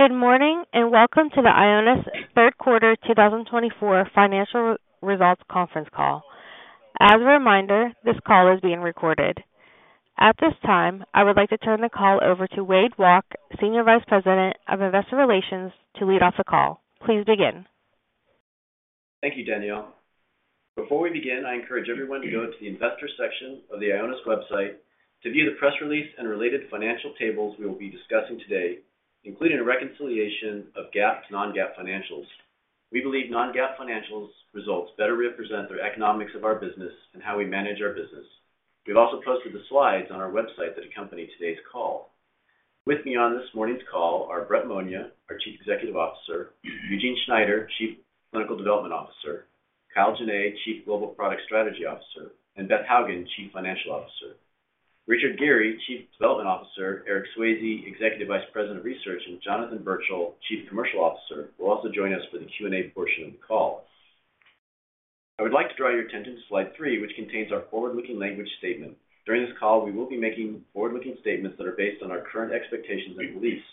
Good morning and welcome to the Ionis Third Quarter 2024 Financial Results Conference Call. As a reminder, this call is being recorded. At this time, I would like to turn the call over to Wade Walke, Senior Vice President of Investor Relations, to lead off the call. Please begin. Thank you, Danielle. Before we begin, I encourage everyone to go to the investor section of the Ionis website to view the press release and related financial tables we will be discussing today, including a reconciliation of GAAP to non-GAAP financials. We believe non-GAAP financials' results better represent the economics of our business and how we manage our business. We've also posted the slides on our website that accompany today's call. With me on this morning's call are Brett Monia, our Chief Executive Officer, Eugene Schneider, Chief Clinical Development Officer, Kyle Jenne, Chief Global Product Strategy Officer, and Beth Hougen, Chief Financial Officer. Richard Geary, Chief Development Officer, Eric Swayze, Executive Vice President of Research, and Jonathan Birchall, Chief Commercial Officer, will also join us for the Q&A portion of the call. I would like to draw your attention to slide three, which contains our forward-looking language statement. During this call, we will be making forward-looking statements that are based on our current expectations and beliefs.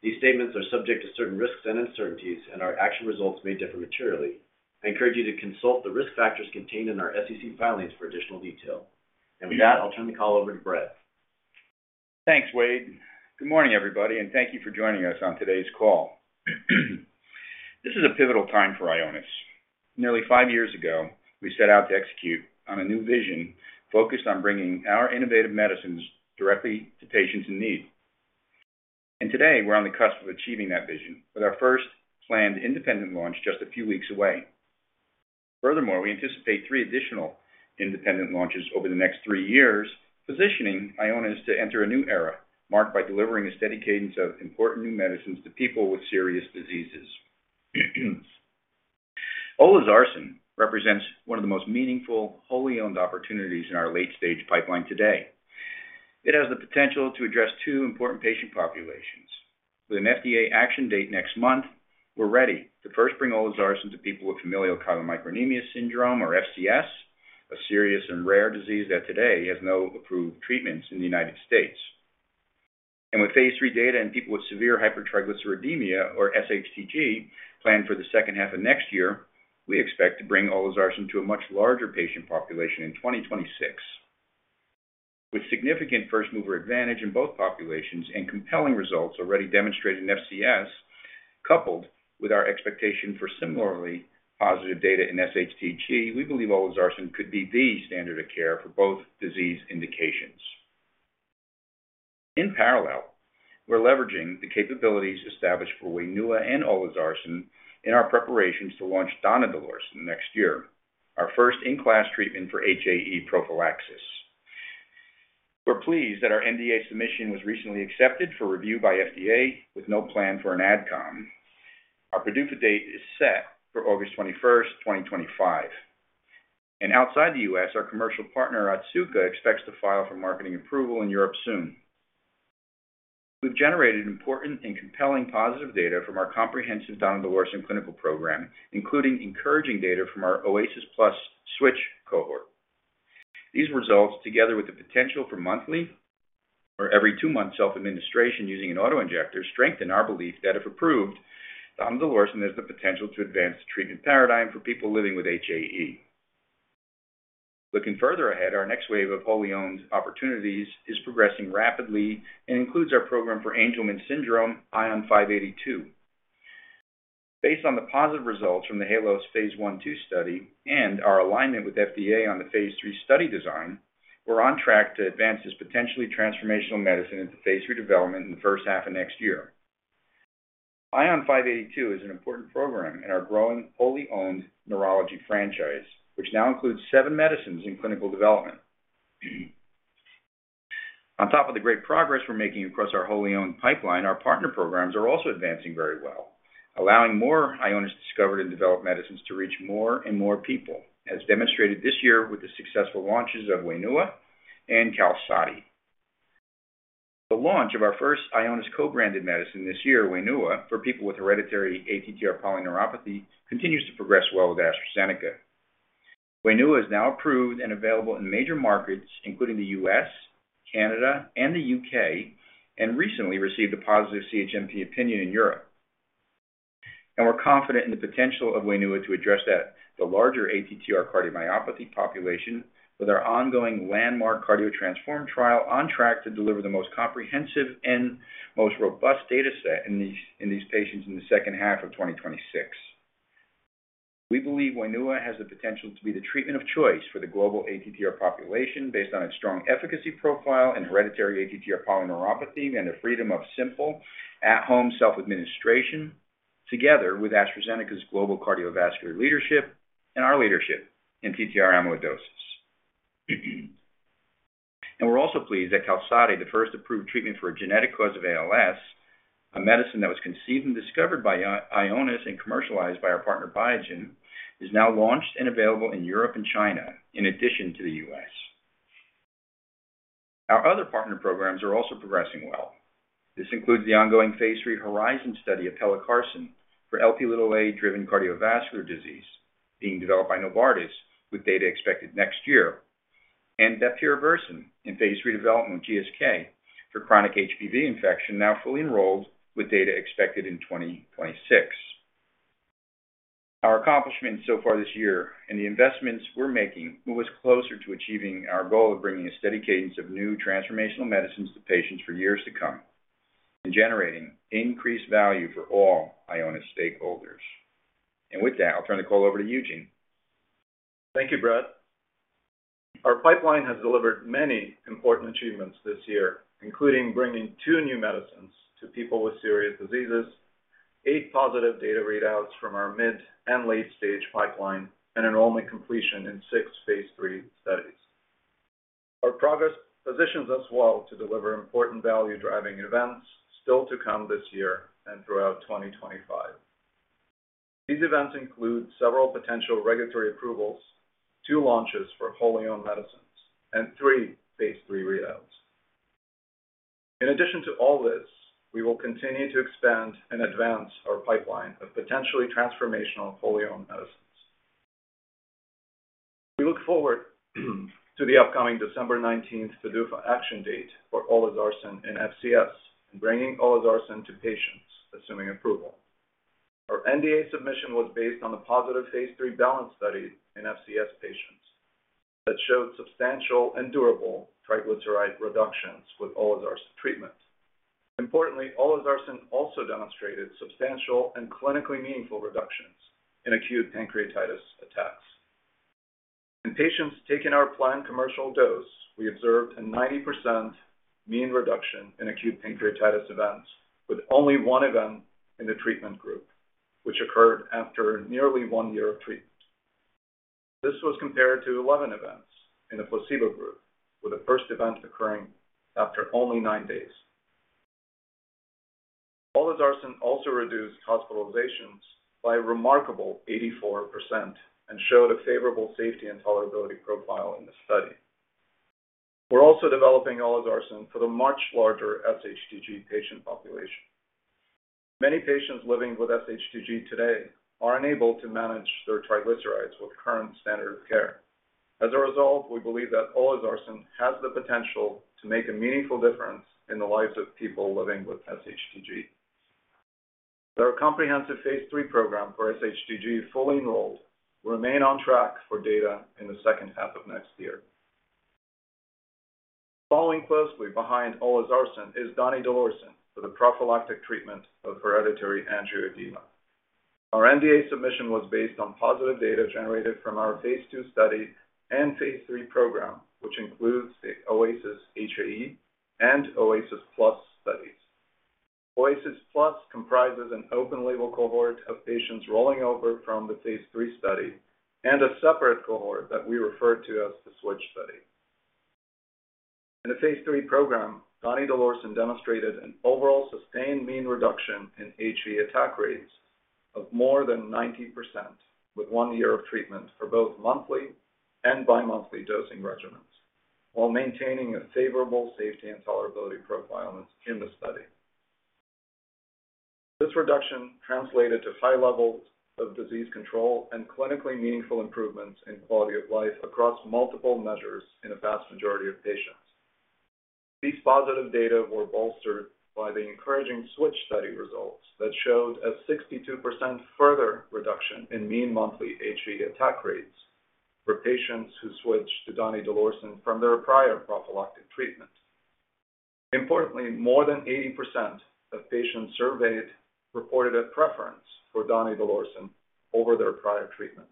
These statements are subject to certain risks and uncertainties, and our actual results may differ materially. I encourage you to consult the risk factors contained in our SEC filings for additional detail, and with that, I'll turn the call over to Brett. Thanks, Wade. Good morning, everybody, and thank you for joining us on today's call. This is a pivotal time for Ionis. Nearly five years ago, we set out to execute on a new vision focused on bringing our innovative medicines directly to patients in need. And today, we're on the cusp of achieving that vision with our first planned independent launch just a few weeks away. Furthermore, we anticipate three additional independent launches over the next three years, positioning Ionis to enter a new era marked by delivering a steady cadence of important new medicines to people with serious diseases. olezarsen represents one of the most meaningful, wholly owned opportunities in our late-stage pipeline today. It has the potential to address two important patient populations. With an FDA action date next month, we're ready to first bring olezarsen to people with familial chylomicronemia syndrome, or FCS, a serious and rare disease that today has no approved treatments in the United States, and with phase III data in people with severe hypertriglyceridemia, or SHTG, planned for the second half of next year, we expect to bring olezarsen to a much larger patient population in 2026. With significant first-mover advantage in both populations and compelling results already demonstrated in FCS, coupled with our expectation for similarly positive data in SHTG, we believe olezarsen could be the standard of care for both disease indications. In parallel, we're leveraging the capabilities established for Wainua and olezarsen in our preparations to launch donidalorsen next year, our first in-class treatment for HAE prophylaxis. We're pleased that our NDA submission was recently accepted for review by FDA with no plan for an adcom. Our PDUFA date is set for August 21st, 2025, and outside the U.S., our commercial partner Otsuka expects to file for marketing approval in Europe soon. We've generated important and compelling positive data from our comprehensive donidalorsen clinical program, including encouraging data from our OASIS-Plus Switch cohort. These results, together with the potential for monthly or every two-month self-administration using an autoinjector, strengthen our belief that if approved, donidalorsen has the potential to advance the treatment paradigm for people living with HAE. Looking further ahead, our next wave of wholly owned opportunities is progressing rapidly and includes our program for Angelman syndrome, ION-582. Based on the positive results from the HALO phase I/II study and our alignment with FDA on the phase III study design, we're on track to advance this potentially transformational medicine into phase III development in the first half of next year. ION-582 is an important program in our growing wholly owned neurology franchise, which now includes seven medicines in clinical development. On top of the great progress we're making across our wholly owned pipeline, our partner programs are also advancing very well, allowing more Ionis discovered and developed medicines to reach more and more people, as demonstrated this year with the successful launches of Wainua and Qalsody. The launch of our first Ionis co-branded medicine this year, Wainua for people with hereditary ATTR polyneuropathy, continues to progress well with AstraZeneca. Wainua is now approved and available in major markets, including the U.S., Canada, and the U.K., and recently received a positive CHMP opinion in Europe. We're confident in the potential of Wainua to address the larger ATTR cardiomyopathy population with our ongoing landmark CARDIO-TTRansform trial on track to deliver the most comprehensive and most robust data set in these patients in the second half of 2026. We believe Wainua has the potential to be the treatment of choice for the global ATTR population based on its strong efficacy profile in hereditary ATTR polyneuropathy and the freedom of simple at-home self-administration, together with AstraZeneca's global cardiovascular leadership and our leadership in TTR amyloidosis. We're also pleased that Qalsody, the first approved treatment for a genetic cause of ALS, a medicine that was conceived and discovered by Ionis and commercialized by our partner Biogen, is now launched and available in Europe and China in addition to the US. Our other partner programs are also progressing well. This includes the ongoing phase III HORIZON study of pelacarsen for Lp(a) driven cardiovascular disease being developed by Novartis with data expected next year, and bepirovirsen in phase III development with GSK for chronic HBV infection now fully enrolled with data expected in 2026. Our accomplishments so far this year and the investments we're making move us closer to achieving our goal of bringing a steady cadence of new transformational medicines to patients for years to come and generating increased value for all Ionis stakeholders. With that, I'll turn the call over to Eugene. Thank you, Brett. Our pipeline has delivered many important achievements this year, including bringing two new medicines to people with serious diseases, eight positive data readouts from our mid and late-stage pipeline, and enrollment completion in six phase III studies. Our progress positions us well to deliver important value-driving events still to come this year and throughout 2025. These events include several potential regulatory approvals, two launches for wholly owned medicines, and three phase III readouts. In addition to all this, we will continue to expand and advance our pipeline of potentially transformational wholly owned medicines. We look forward to the upcoming December 19th PDUFA action date for olezarsen in FCS and bringing olezarsen to patients assuming approval. Our NDA submission was based on the positive phase III BALANCE study in FCS patients that showed substantial and durable triglyceride reductions with olezarsen treatment. Importantly, olezarsen also demonstrated substantial and clinically meaningful reductions in acute pancreatitis attacks. In patients taking our planned commercial dose, we observed a 90% mean reduction in acute pancreatitis events with only one event in the treatment group, which occurred after nearly one year of treatment. This was compared to 11 events in the placebo group, with the first event occurring after only nine days. olezarsen also reduced hospitalizations by a remarkable 84% and showed a favorable safety and tolerability profile in the study. We're also developing olezarsen for the much larger SHTG patient population. Many patients living with SHTG today are unable to manage their triglycerides with current standard of care. As a result, we believe that olezarsen has the potential to make a meaningful difference in the lives of people living with SHTG. Our comprehensive phase III program for SHTG fully enrolled will remain on track for data in the second half of next year. Following closely behind olezarsen is donidalorsen for the prophylactic treatment of hereditary angioedema. Our NDA submission was based on positive data generated from our phase II study and phase III program, which includes the OASIS-HAE and OASIS-Plus studies. OASIS-Plus comprises an open-label cohort of patients rolling over from the phase III study and a separate cohort that we refer to as the switch study. In the phase III program, donidalorsen demonstrated an overall sustained mean reduction in HAE attack rates of more than 90% with one year of treatment for both monthly and bi-monthly dosing regimens while maintaining a favorable safety and tolerability profile in the study. This reduction translated to high levels of disease control and clinically meaningful improvements in quality of life across multiple measures in a vast majority of patients. These positive data were bolstered by the encouraging switch study results that showed a 62% further reduction in mean monthly HAE attack rates for patients who switched to donidalorsen from their prior prophylactic treatment. Importantly, more than 80% of patients surveyed reported a preference for donidalorsen over their prior treatment.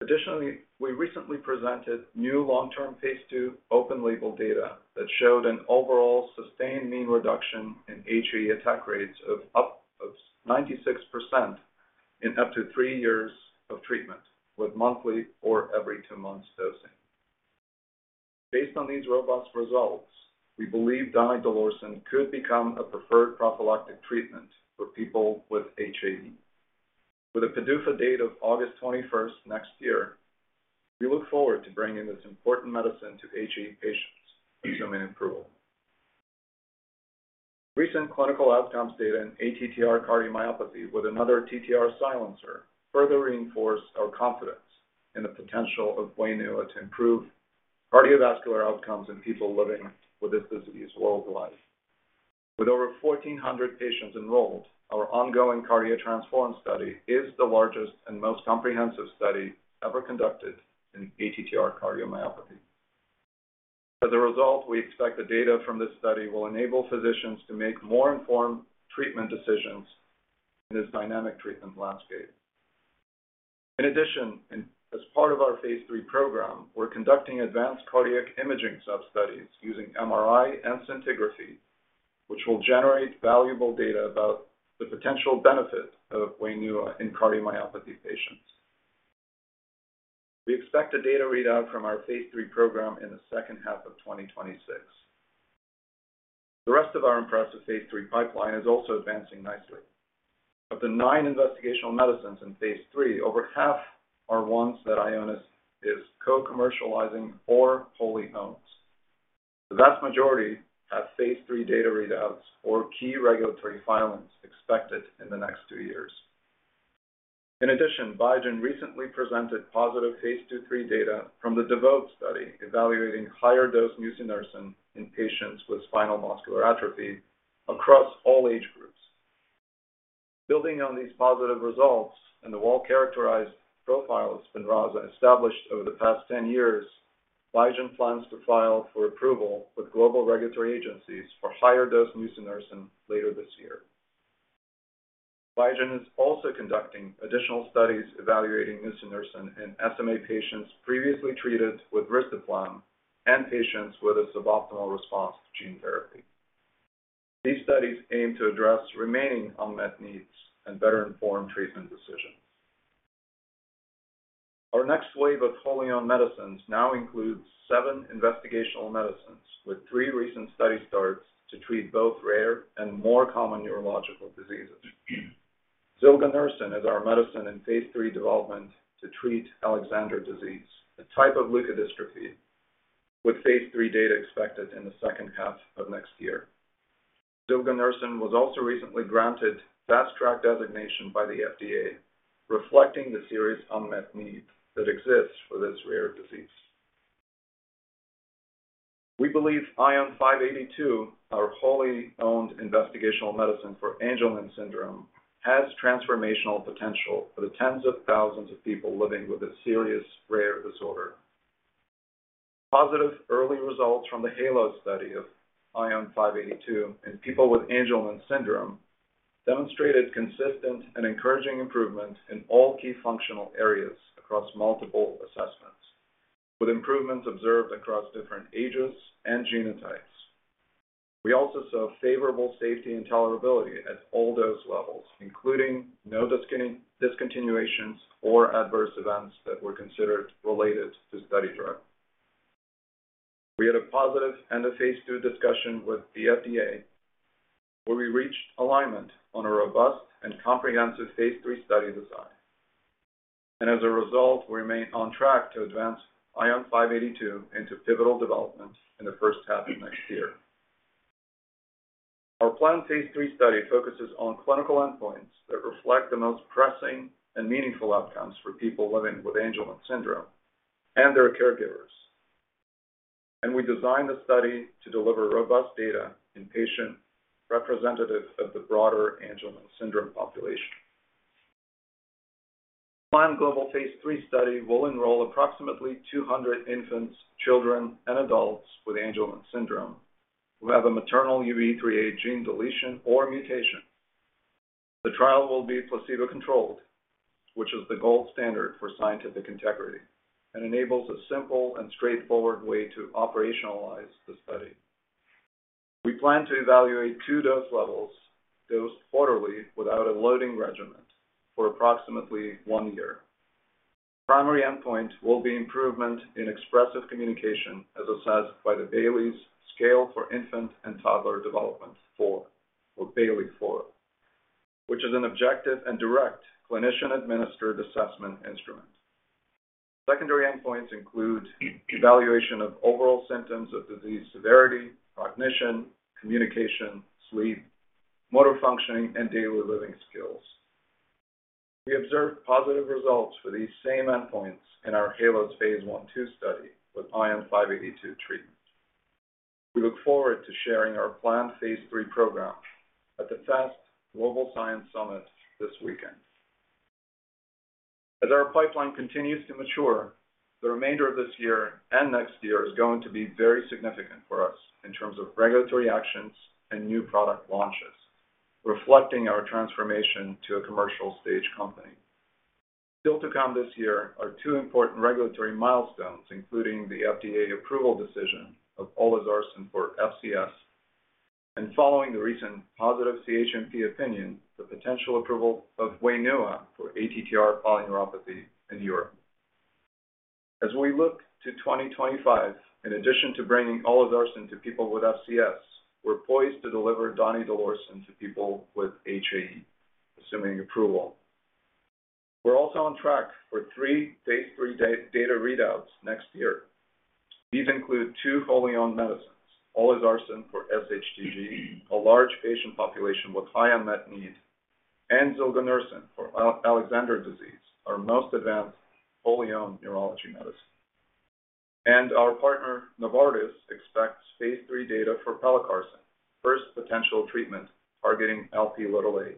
Additionally, we recently presented new long-term phase II open-label data that showed an overall sustained mean reduction in HAE attack rates of up to 96% in up to three years of treatment with monthly or every two months dosing. Based on these robust results, we believe donidalorsen could become a preferred prophylactic treatment for people with HAE. With a PDUFA date of August 21st next year, we look forward to bringing this important medicine to HAE patients assuming approval. Recent clinical outcomes data in ATTR cardiomyopathy with another TTR silencer further reinforced our confidence in the potential of Wainua to improve cardiovascular outcomes in people living with this disease worldwide. With over 1,400 patients enrolled, our ongoing CARDIO-TTRansform study is the largest and most comprehensive study ever conducted in ATTR cardiomyopathy. As a result, we expect the data from this study will enable physicians to make more informed treatment decisions in this dynamic treatment landscape. In addition, as part of our phase III program, we're conducting advanced cardiac imaging sub-studies using MRI and scintigraphy, which will generate valuable data about the potential benefit of Wainua in cardiomyopathy patients. We expect a data readout from our phase III program in the second half of 2026. The rest of our impressive phase III pipeline is also advancing nicely. Of the nine investigational medicines in phase III, over half are ones that Ionis is co-commercializing or wholly owns. The vast majority have phase III data readouts or key regulatory filings expected in the next two years. In addition, Biogen recently presented positive phase II/III data from the DEVOTE study evaluating higher dose nusinersen in patients with spinal muscular atrophy across all age groups. Building on these positive results and the well-characterized profile of Spinraza established over the past 10 years, Biogen plans to file for approval with global regulatory agencies for higher dose nusinersen later this year. Biogen is also conducting additional studies evaluating nusinersen in SMA patients previously treated with risdiplam and patients with a suboptimal response to gene therapy. These studies aim to address remaining unmet needs and better informed treatment decisions. Our next wave of wholly owned medicines now includes seven investigational medicines with three recent study starts to treat both rare and more common neurological diseases. Zilganersen is our medicine in phase III development to treat Alexander disease, a type of leukodystrophy with phase III data expected in the second half of next year. Zilganersen was also recently granted fast track designation by the FDA, reflecting the serious unmet need that exists for this rare disease. We believe ION-582, our wholly owned investigational medicine for Angelman syndrome, has transformational potential for the tens of thousands of people living with a serious rare disorder. Positive early results from the HALO study of ION-582 in people with Angelman syndrome demonstrated consistent and encouraging improvement in all key functional areas across multiple assessments, with improvements observed across different ages and genotypes. We also saw favorable safety and tolerability at all dose levels, including no discontinuations or adverse events that were considered related to study drug. We had a positive end of phase II discussion with the FDA, where we reached alignment on a robust and comprehensive phase III study design, and as a result, we remain on track to advance ION-582 into pivotal development in the first half of next year. Our planned phase III study focuses on clinical endpoints that reflect the most pressing and meaningful outcomes for people living with Angelman syndrome and their caregivers, and we designed the study to deliver robust data in patients representative of the broader Angelman syndrome population. The planned global phase III study will enroll approximately 200 infants, children, and adults with Angelman syndrome who have a maternal UBE3A gene deletion or mutation. The trial will be placebo-controlled, which is the gold standard for scientific integrity and enables a simple and straightforward way to operationalize the study. We plan to evaluate two dose levels dosed quarterly without a loading regimen for approximately one year. Primary endpoint will be improvement in expressive communication, as assessed by the Bayley's Scale for Infant and Toddler Development Score, or Bayley Score, which is an objective and direct clinician-administered assessment instrument. Secondary endpoints include evaluation of overall symptoms of disease severity, cognition, communication, sleep, motor functioning, and daily living skills. We observed positive results for these same endpoints in our HALO phase I/2 study with ION-582 treatment. We look forward to sharing our planned phase III program at the FAST Global Science Summit this weekend. As our pipeline continues to mature, the remainder of this year and next year is going to be very significant for us in terms of regulatory actions and new product launches, reflecting our transformation to a commercial stage company. Still to come this year are two important regulatory milestones, including the FDA approval decision of olezarsen for FCS and, following the recent positive CHMP opinion, the potential approval of Wainua for ATTR polyneuropathy in Europe. As we look to 2025, in addition to bringing olezarsen to people with FCS, we're poised to deliver donidalorsen to people with HAE, assuming approval. We're also on track for three phase III data readouts next year. These include two wholly owned medicines, olezarsen for SHTG, a large patient population with high unmet need, and zilganersen for Alexander disease, our most advanced wholly owned neurology medicine. And our partner, Novartis, expects phase III data for pelacarsen, first potential treatment targeting Lp(a)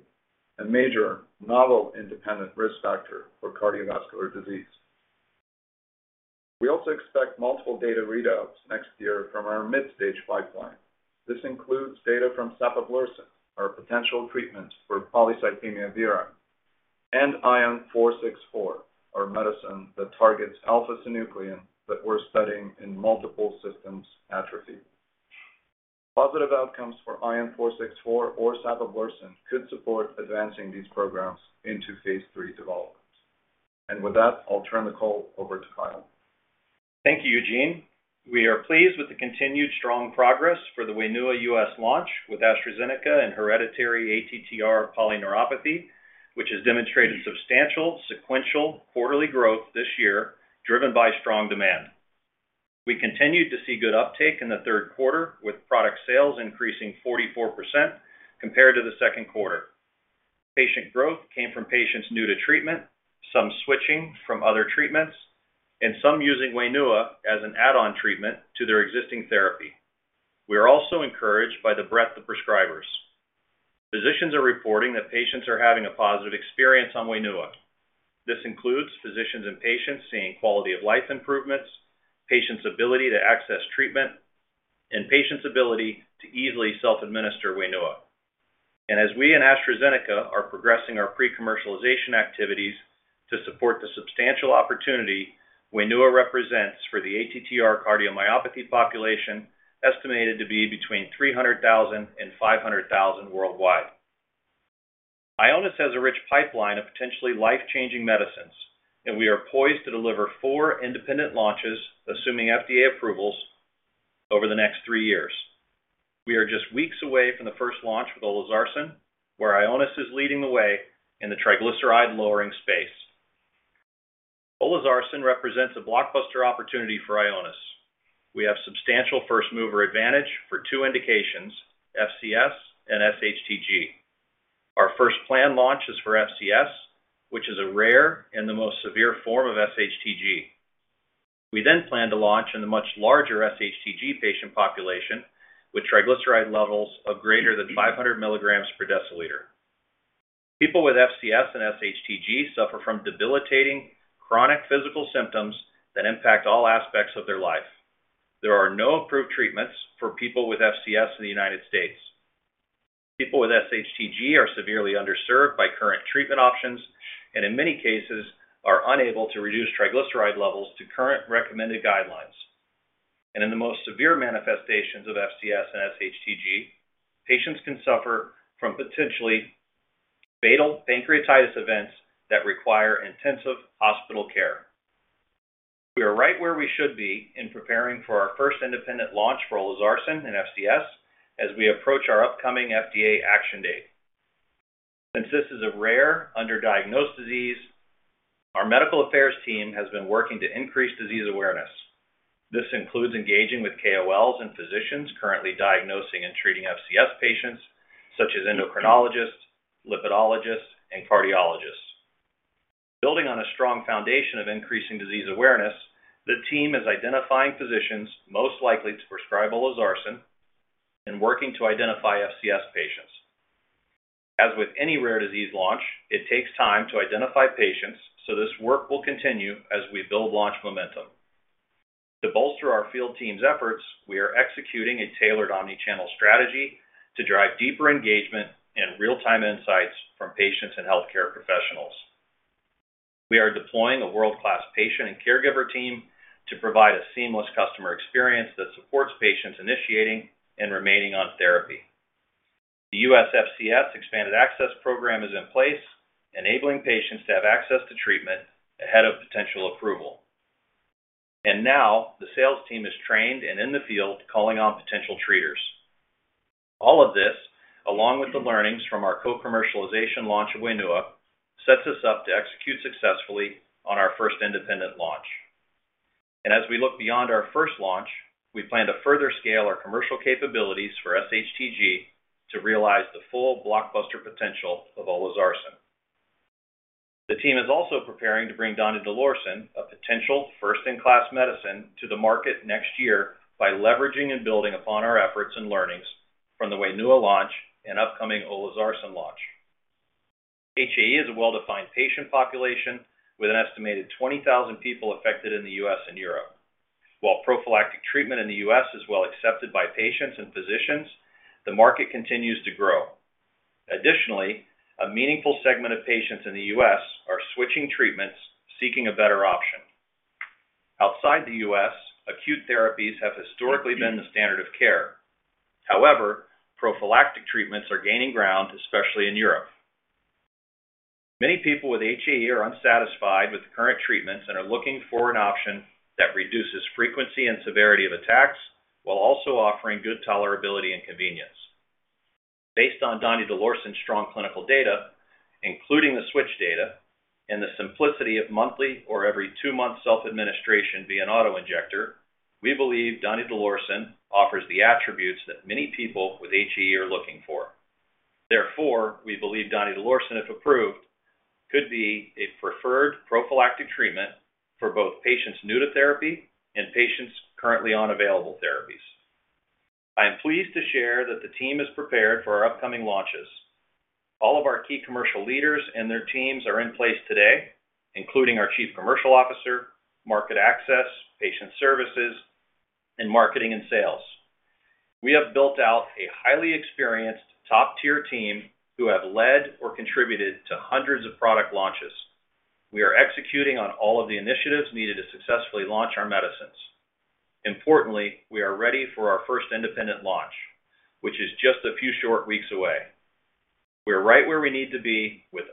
and major novel independent risk factor for cardiovascular disease. We also expect multiple data readouts next year from our mid-stage pipeline. This includes data from sapoflarsen, our potential treatment for polycythemia vera, and ION-464, our medicine that targets alpha-synuclein that we're studying in multiple system atrophy. Positive outcomes for ION-464 or sapoflarsen could support advancing these programs into phase III development. And with that, I'll turn the call over to Kyle. Thank you, Eugene. We are pleased with the continued strong progress for the Wainua US launch with AstraZeneca and hereditary ATTR polyneuropathy, which has demonstrated substantial sequential quarterly growth this year driven by strong demand. We continued to see good uptake in the third quarter, with product sales increasing 44% compared to the second quarter. Patient growth came from patients new to treatment, some switching from other treatments, and some using Wainua as an add-on treatment to their existing therapy. We are also encouraged by the breadth of prescribers. Physicians are reporting that patients are having a positive experience on Wainua. This includes physicians and patients seeing quality of life improvements, patients' ability to access treatment, and patients' ability to easily self-administer Wainua, and as we and AstraZeneca are progressing our pre-commercialization activities to support the substantial opportunity Wainua represents for the ATTR cardiomyopathy population estimated to be between 300,000 and 500,000 worldwide. Ionis has a rich pipeline of potentially life-changing medicines, and we are poised to deliver four independent launches assuming FDA approvals over the next three years. We are just weeks away from the first launch with olezarsen, where Ionis is leading the way in the triglyceride-lowering space. olezarsen represents a blockbuster opportunity for Ionis. We have substantial first-mover advantage for two indications, FCS and SHTG. Our first planned launch is for FCS, which is a rare and the most severe form of SHTG. We then plan to launch in the much larger SHTG patient population with triglyceride levels of greater than 500 milligrams per deciliter. People with FCS and SHTG suffer from debilitating chronic physical symptoms that impact all aspects of their life. There are no approved treatments for people with FCS in the United States. People with SHTG are severely underserved by current treatment options and, in many cases, are unable to reduce triglyceride levels to current recommended guidelines, and in the most severe manifestations of FCS and SHTG, patients can suffer from potentially fatal pancreatitis events that require intensive hospital care. We are right where we should be in preparing for our first independent launch for olezarsen and FCS as we approach our upcoming FDA action date. Since this is a rare, underdiagnosed disease, our medical affairs team has been working to increase disease awareness. This includes engaging with KOLs and physicians currently diagnosing and treating FCS patients, such as endocrinologists, lipidologists, and cardiologists. Building on a strong foundation of increasing disease awareness, the team is identifying physicians most likely to prescribe olezarsen and working to identify FCS patients. As with any rare disease launch, it takes time to identify patients, so this work will continue as we build launch momentum. To bolster our field team's efforts, we are executing a tailored omnichannel strategy to drive deeper engagement and real-time insights from patients and healthcare professionals. We are deploying a world-class patient and caregiver team to provide a seamless customer experience that supports patients initiating and remaining on therapy. The U.S. FCS expanded access program is in place, enabling patients to have access to treatment ahead of potential approval. And now the sales team is trained and in the field calling on potential treaters. All of this, along with the learnings from our co-commercialization launch of Wainua, sets us up to execute successfully on our first independent launch. And as we look beyond our first launch, we plan to further scale our commercial capabilities for SHTG to realize the full blockbuster potential of olezarsen. The team is also preparing to bring donidalorsen, a potential first-in-class medicine, to the market next year by leveraging and building upon our efforts and learnings from the Wainua launch and upcoming olezarsen launch. HAE is a well-defined patient population with an estimated 20,000 people affected in the U.S. and Europe. While prophylactic treatment in the U.S. is well accepted by patients and physicians, the market continues to grow. Additionally, a meaningful segment of patients in the U.S. are switching treatments, seeking a better option. Outside the U.S., acute therapies have historically been the standard of care. However, prophylactic treatments are gaining ground, especially in Europe. Many people with HAE are unsatisfied with the current treatments and are looking for an option that reduces frequency and severity of attacks while also offering good tolerability and convenience. Based on donidalorsen's strong clinical data, including the switch data and the simplicity of monthly or every two-month self-administration via an autoinjector, we believe donidalorsen offers the attributes that many people with HAE are looking for. Therefore, we believe donidalorsen, if approved, could be a preferred prophylactic treatment for both patients new to therapy and patients currently on available therapies. I am pleased to share that the team is prepared for our upcoming launches. All of our key commercial leaders and their teams are in place today, including our Chief Commercial Officer, market access, patient services, and marketing and sales. We have built out a highly experienced top-tier team who have led or contributed to hundreds of product launches. We are executing on all of the initiatives needed to successfully launch our medicines. Importantly, we are ready for our first independent launch, which is just a few short weeks away. We're right where we need to be with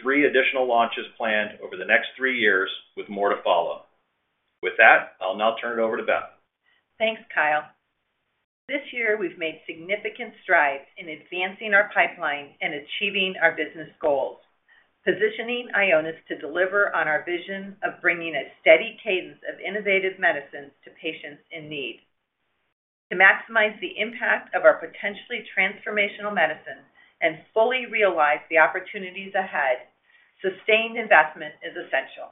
three additional launches planned over the next three years, with more to follow. With that, I'll now turn it over to Beth. Thanks, Kyle. This year, we've made significant strides in advancing our pipeline and achieving our business goals, positioning Ionis to deliver on our vision of bringing a steady cadence of innovative medicines to patients in need. To maximize the impact of our potentially transformational medicine and fully realize the opportunities ahead, sustained investment is essential.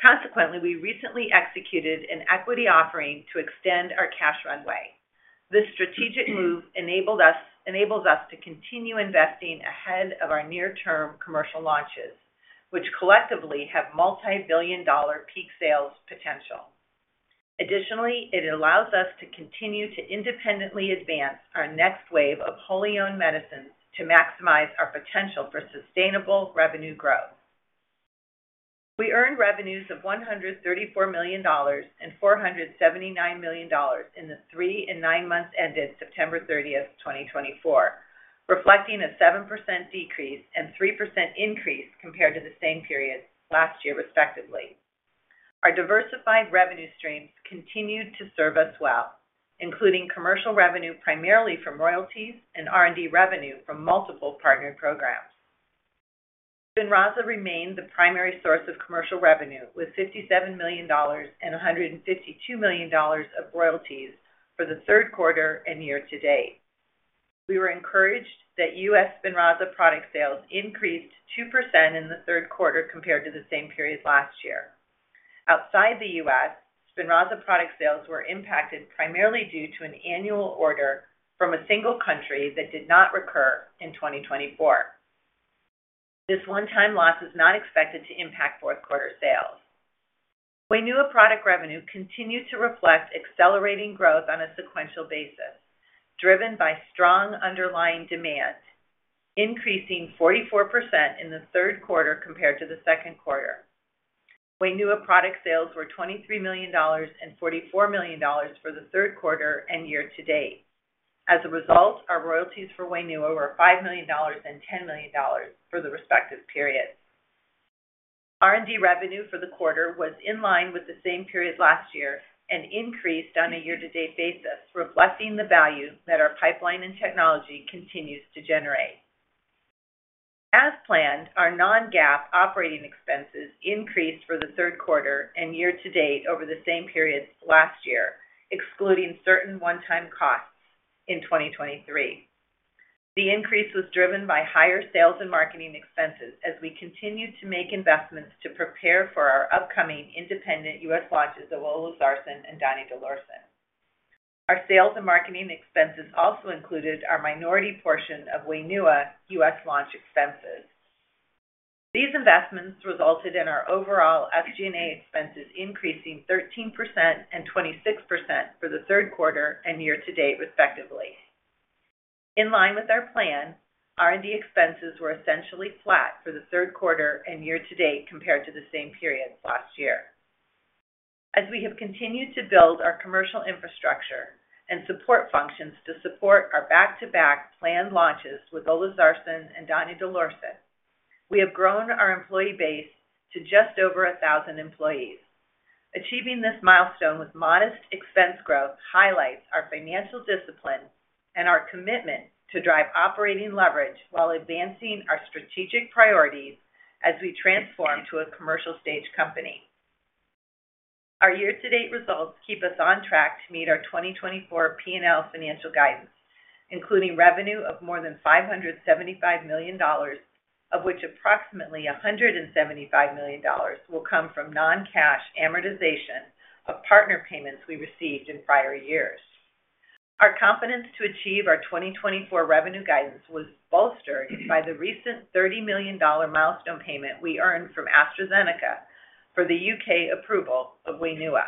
Consequently, we recently executed an equity offering to extend our cash runway. This strategic move enables us to continue investing ahead of our near-term commercial launches, which collectively have multi-billion-dollar peak sales potential. Additionally, it allows us to continue to independently advance our next wave of wholly owned medicines to maximize our potential for sustainable revenue growth. We earned revenues of $134 million and $479 million in the three and nine months ended September 30, 2024, reflecting a 7% decrease and 3% increase compared to the same period last year, respectively. Our diversified revenue streams continued to serve us well, including commercial revenue primarily from royalties and R&D revenue from multiple partner programs. Spinraza remained the primary source of commercial revenue, with $57 million and $152 million of royalties for the third quarter and year to date. We were encouraged that U.S. Spinraza product sales increased 2% in the third quarter compared to the same period last year. Outside the U.S., Spinraza product sales were impacted primarily due to an annual order from a single country that did not recur in 2024. This one-time loss is not expected to impact fourth quarter sales. Wainua product revenue continued to reflect accelerating growth on a sequential basis, driven by strong underlying demand, increasing 44% in the third quarter compared to the second quarter. Wainua product sales were $23 million and $44 million for the third quarter and year to date. As a result, our royalties for Wainua were $5 million and $10 million for the respective periods. R&D revenue for the quarter was in line with the same period last year and increased on a year-to-date basis, reflecting the value that our pipeline and technology continues to generate. As planned, our non-GAAP operating expenses increased for the third quarter and year to date over the same period last year, excluding certain one-time costs in 2023. The increase was driven by higher sales and marketing expenses as we continued to make investments to prepare for our upcoming independent U.S. launches of olezarsen and donidalorsen. Our sales and marketing expenses also included our minority portion of Wainua U.S. launch expenses. These investments resulted in our overall SG&A expenses increasing 13% and 26% for the third quarter and year to date, respectively. In line with our plan, R&D expenses were essentially flat for the third quarter and year to date compared to the same period last year. As we have continued to build our commercial infrastructure and support functions to support our back-to-back planned launches with olezarsen and donidalorsen, we have grown our employee base to just over 1,000 employees. Achieving this milestone with modest expense growth highlights our financial discipline and our commitment to drive operating leverage while advancing our strategic priorities as we transform to a commercial-stage company. Our year-to-date results keep us on track to meet our 2024 P&L financial guidance, including revenue of more than $575 million, of which approximately $175 million will come from non-cash amortization of partner payments we received in prior years. Our confidence to achieve our 2024 revenue guidance was bolstered by the recent $30 million milestone payment we earned from AstraZeneca for the UK approval of Wainua.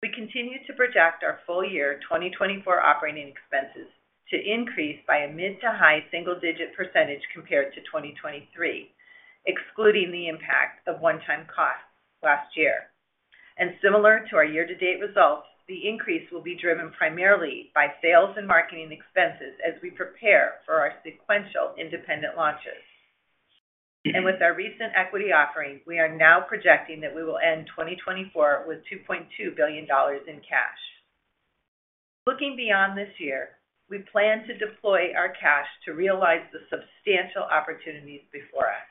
We continue to project our full year 2024 operating expenses to increase by a mid-to-high single-digit % compared to 2023, excluding the impact of one-time costs last year, and similar to our year-to-date results, the increase will be driven primarily by sales and marketing expenses as we prepare for our sequential independent launches, and with our recent equity offering, we are now projecting that we will end 2024 with $2.2 billion in cash. Looking beyond this year, we plan to deploy our cash to realize the substantial opportunities before us.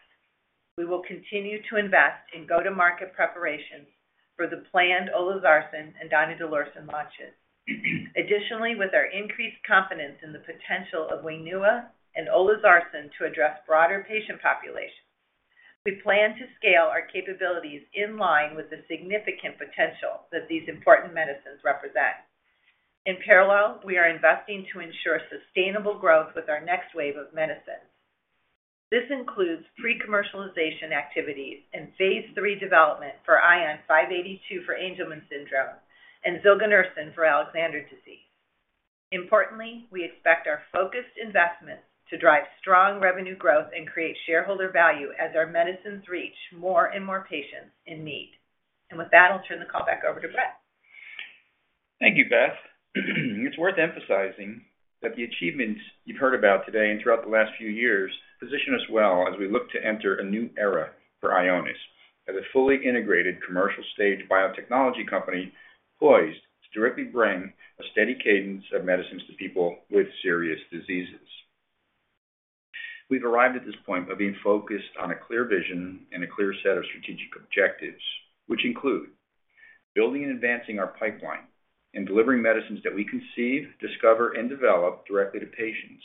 We will continue to invest in go-to-market preparations for the planned olezarsen and donidalorsen launches. Additionally, with our increased confidence in the potential of Wainua and olezarsen to address broader patient populations, we plan to scale our capabilities in line with the significant potential that these important medicines represent. In parallel, we are investing to ensure sustainable growth with our next wave of medicines. This includes pre-commercialization activities and phase III development for ION-582 for Angelman syndrome and zilganersen for Alexander disease. Importantly, we expect our focused investments to drive strong revenue growth and create shareholder value as our medicines reach more and more patients in need. And with that, I'll turn the call back over to Brett. Thank you, Beth. It's worth emphasizing that the achievements you've heard about today and throughout the last few years position us well as we look to enter a new era for Ionis as a fully integrated commercial-stage biotechnology company poised to directly bring a steady cadence of medicines to people with serious diseases. We've arrived at this point of being focused on a clear vision and a clear set of strategic objectives, which include building and advancing our pipeline and delivering medicines that we conceive, discover, and develop directly to patients.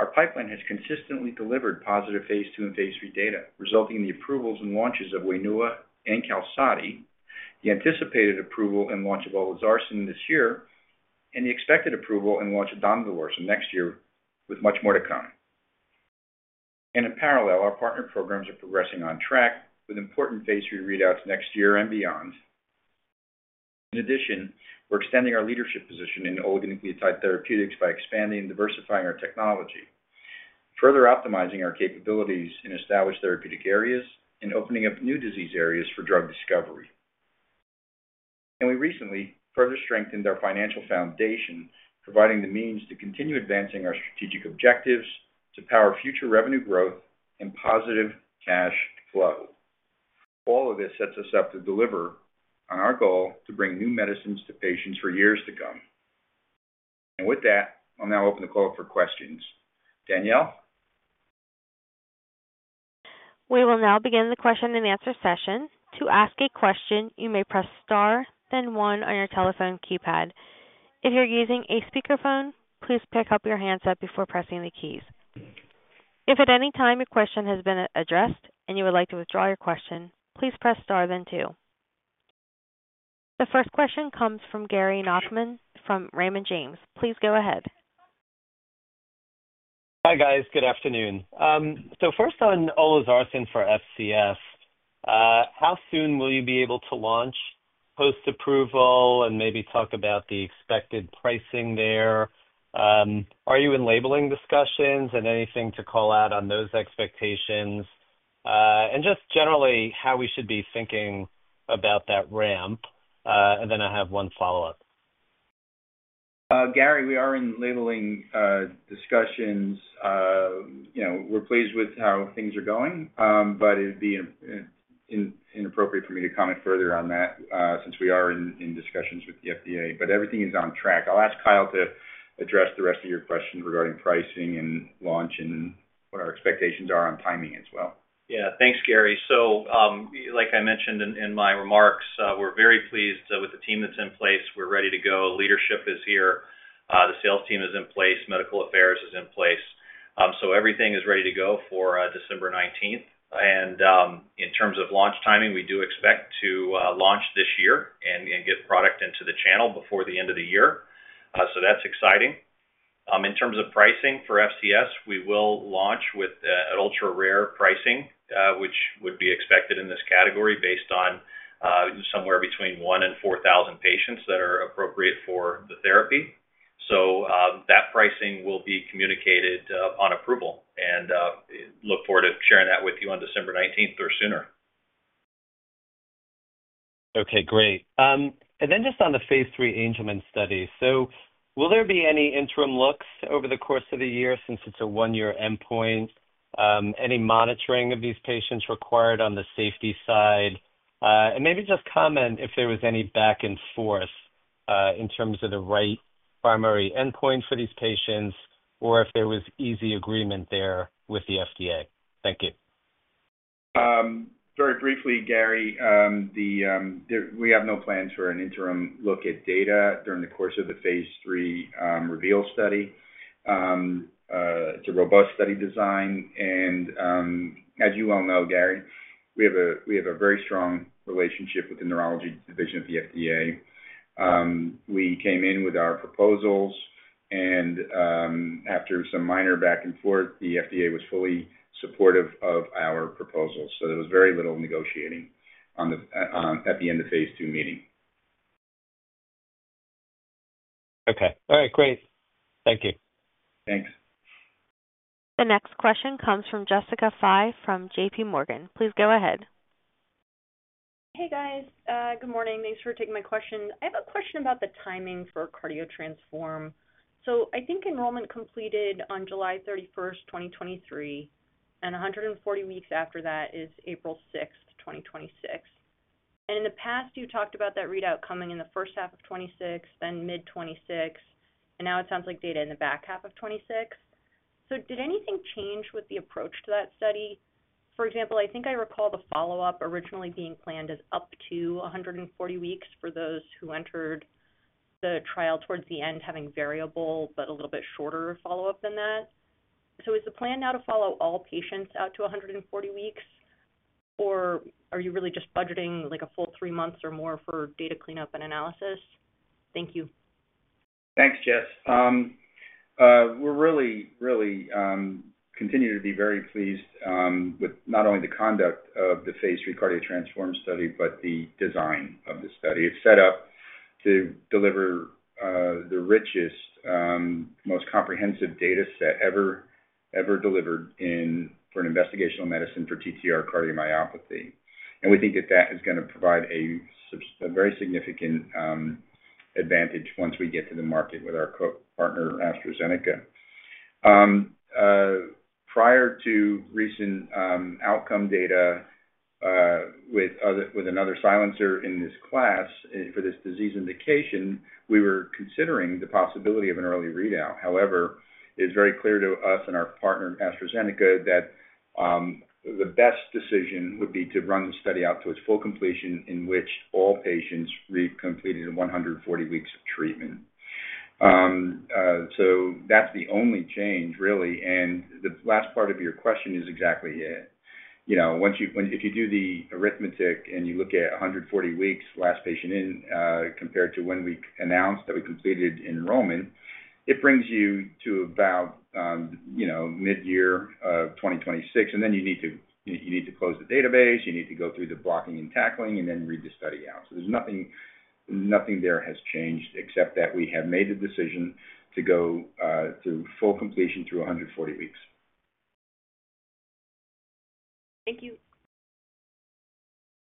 Our pipeline has consistently delivered positive phase II and phase III data, resulting in the approvals and launches of Wainua and Qalsody, the anticipated approval and launch of olezarsen this year, and the expected approval and launch of donidalorsen next year, with much more to come. And in parallel, our partner programs are progressing on track with important phase III readouts next year and beyond. In addition, we're extending our leadership position in oligonucleotide therapeutics by expanding and diversifying our technology, further optimizing our capabilities in established therapeutic areas and opening up new disease areas for drug discovery. And we recently further strengthened our financial foundation, providing the means to continue advancing our strategic objectives to power future revenue growth and positive cash flow. All of this sets us up to deliver on our goal to bring new medicines to patients for years to come. And with that, I'll now open the call for questions. Danielle? We will now begin the question and answer session. To ask a question, you may press star, then one on your telephone keypad. If you're using a speakerphone, please pick up your handset before pressing the keys. If at any time your question has been addressed and you would like to withdraw your question, please press star, then two. The first question comes from Gary Nachman from Raymond James. Please go ahead. Hi guys. Good afternoon. So first on olezarsen for FCS, how soon will you be able to launch? Post-approval and maybe talk about the expected pricing there. Are you in labeling discussions and anything to call out on those expectations? And just generally, how we should be thinking about that ramp? And then I have one follow-up. Gary, we are in labeling discussions. We're pleased with how things are going, but it'd be inappropriate for me to comment further on that since we are in discussions with the FDA. But everything is on track. I'll ask Kyle to address the rest of your question regarding pricing and launch and what our expectations are on timing as well. Yeah. Thanks, Gary. So like I mentioned in my remarks, we're very pleased with the team that's in place. We're ready to go. Leadership is here. The sales team is in place. Medical affairs is in place. So everything is ready to go for December 19th. And in terms of launch timing, we do expect to launch this year and get product into the channel before the end of the year. So that's exciting. In terms of pricing for FCS, we will launch with an ultra-rare pricing, which would be expected in this category based on somewhere between 1,000 and 4,000 patients that are appropriate for the therapy. So that pricing will be communicated upon approval. And look forward to sharing that with you on December 19th or sooner. Okay. Great. And then just on the phase III Angelman study, so will there be any interim looks over the course of the year since it's a one-year endpoint? Any monitoring of these patients required on the safety side? And maybe just comment if there was any back and forth in terms of the right primary endpoint for these patients or if there was easy agreement there with the FDA. Thank you. Very briefly, Gary, we have no plans for an interim look at data during the course of the phase III REVEAL study. It's a robust study design. And as you well know, Gary, we have a very strong relationship with the neurology division of the FDA. We came in with our proposals, and after some minor back and forth, the FDA was fully supportive of our proposals. So there was very little negotiating at the end of phase II meeting. Okay. All right. Great. Thank you. Thanks. The next question comes from Jessica Fye from J.P. Morgan. Please go ahead. Hey, guys. Good morning. Thanks for taking my question. I have a question about the timing for CARDIO-TTRansform. So I think enrollment completed on July 31, 2023, and 140 weeks after that is April 6, 2026. And in the past, you talked about that readout coming in the first half of 2026, then mid-2026, and now it sounds like data in the back half of 2026. So did anything change with the approach to that study? For example, I think I recall the follow-up originally being planned as up to 140 weeks for those who entered the trial towards the end having variable but a little bit shorter follow-up than that. So is the plan now to follow all patients out to 140 weeks, or are you really just budgeting a full three months or more for data cleanup and analysis? Thank you. Thanks, Jess. We're really, really continuing to be very pleased with not only the conduct of the phase III CARDIO-TTRansform study but the design of the study. It's set up to deliver the richest, most comprehensive data set ever delivered for an investigational medicine for TTR cardiomyopathy. And we think that that is going to provide a very significant advantage once we get to the market with our partner AstraZeneca. Prior to recent outcome data with another silencer in this class for this disease indication, we were considering the possibility of an early readout. However, it is very clear to us and our partner AstraZeneca that the best decision would be to run the study out to its full completion in which all patients completed 140 weeks of treatment. So that's the only change, really. And the last part of your question is exactly it. If you do the arithmetic and you look at 140 weeks, last patient in compared to when we announced that we completed enrollment, it brings you to about mid-year of 2026. And then you need to close the database. You need to go through the blocking and tackling and then read the study out. So nothing there has changed except that we have made the decision to go through full completion through 140 weeks. Thank you.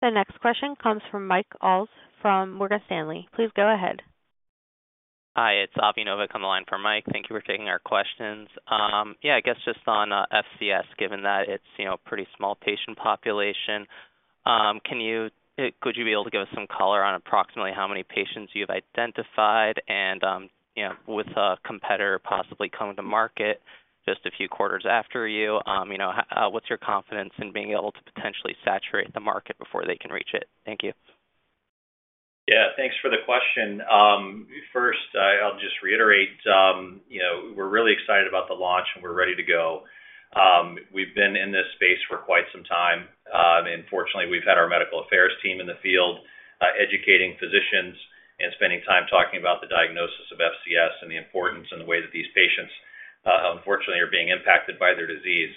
The next question comes from Mike Ulz from Morgan Stanley. Please go ahead. Hi. It's Avi Novak on the line for Mike. Thank you for taking our questions. Yeah. I guess just on FCS, given that it's a pretty small patient population, could you be able to give us some color on approximately how many patients you've identified and with a competitor possibly coming to market just a few quarters after you? What's your confidence in being able to potentially saturate the market before they can reach it? Thank you. Yeah. Thanks for the question. First, I'll just reiterate, we're really excited about the launch and we're ready to go. We've been in this space for quite some time. And fortunately, we've had our medical affairs team in the field educating physicians and spending time talking about the diagnosis of FCS and the importance and the way that these patients, unfortunately, are being impacted by their disease.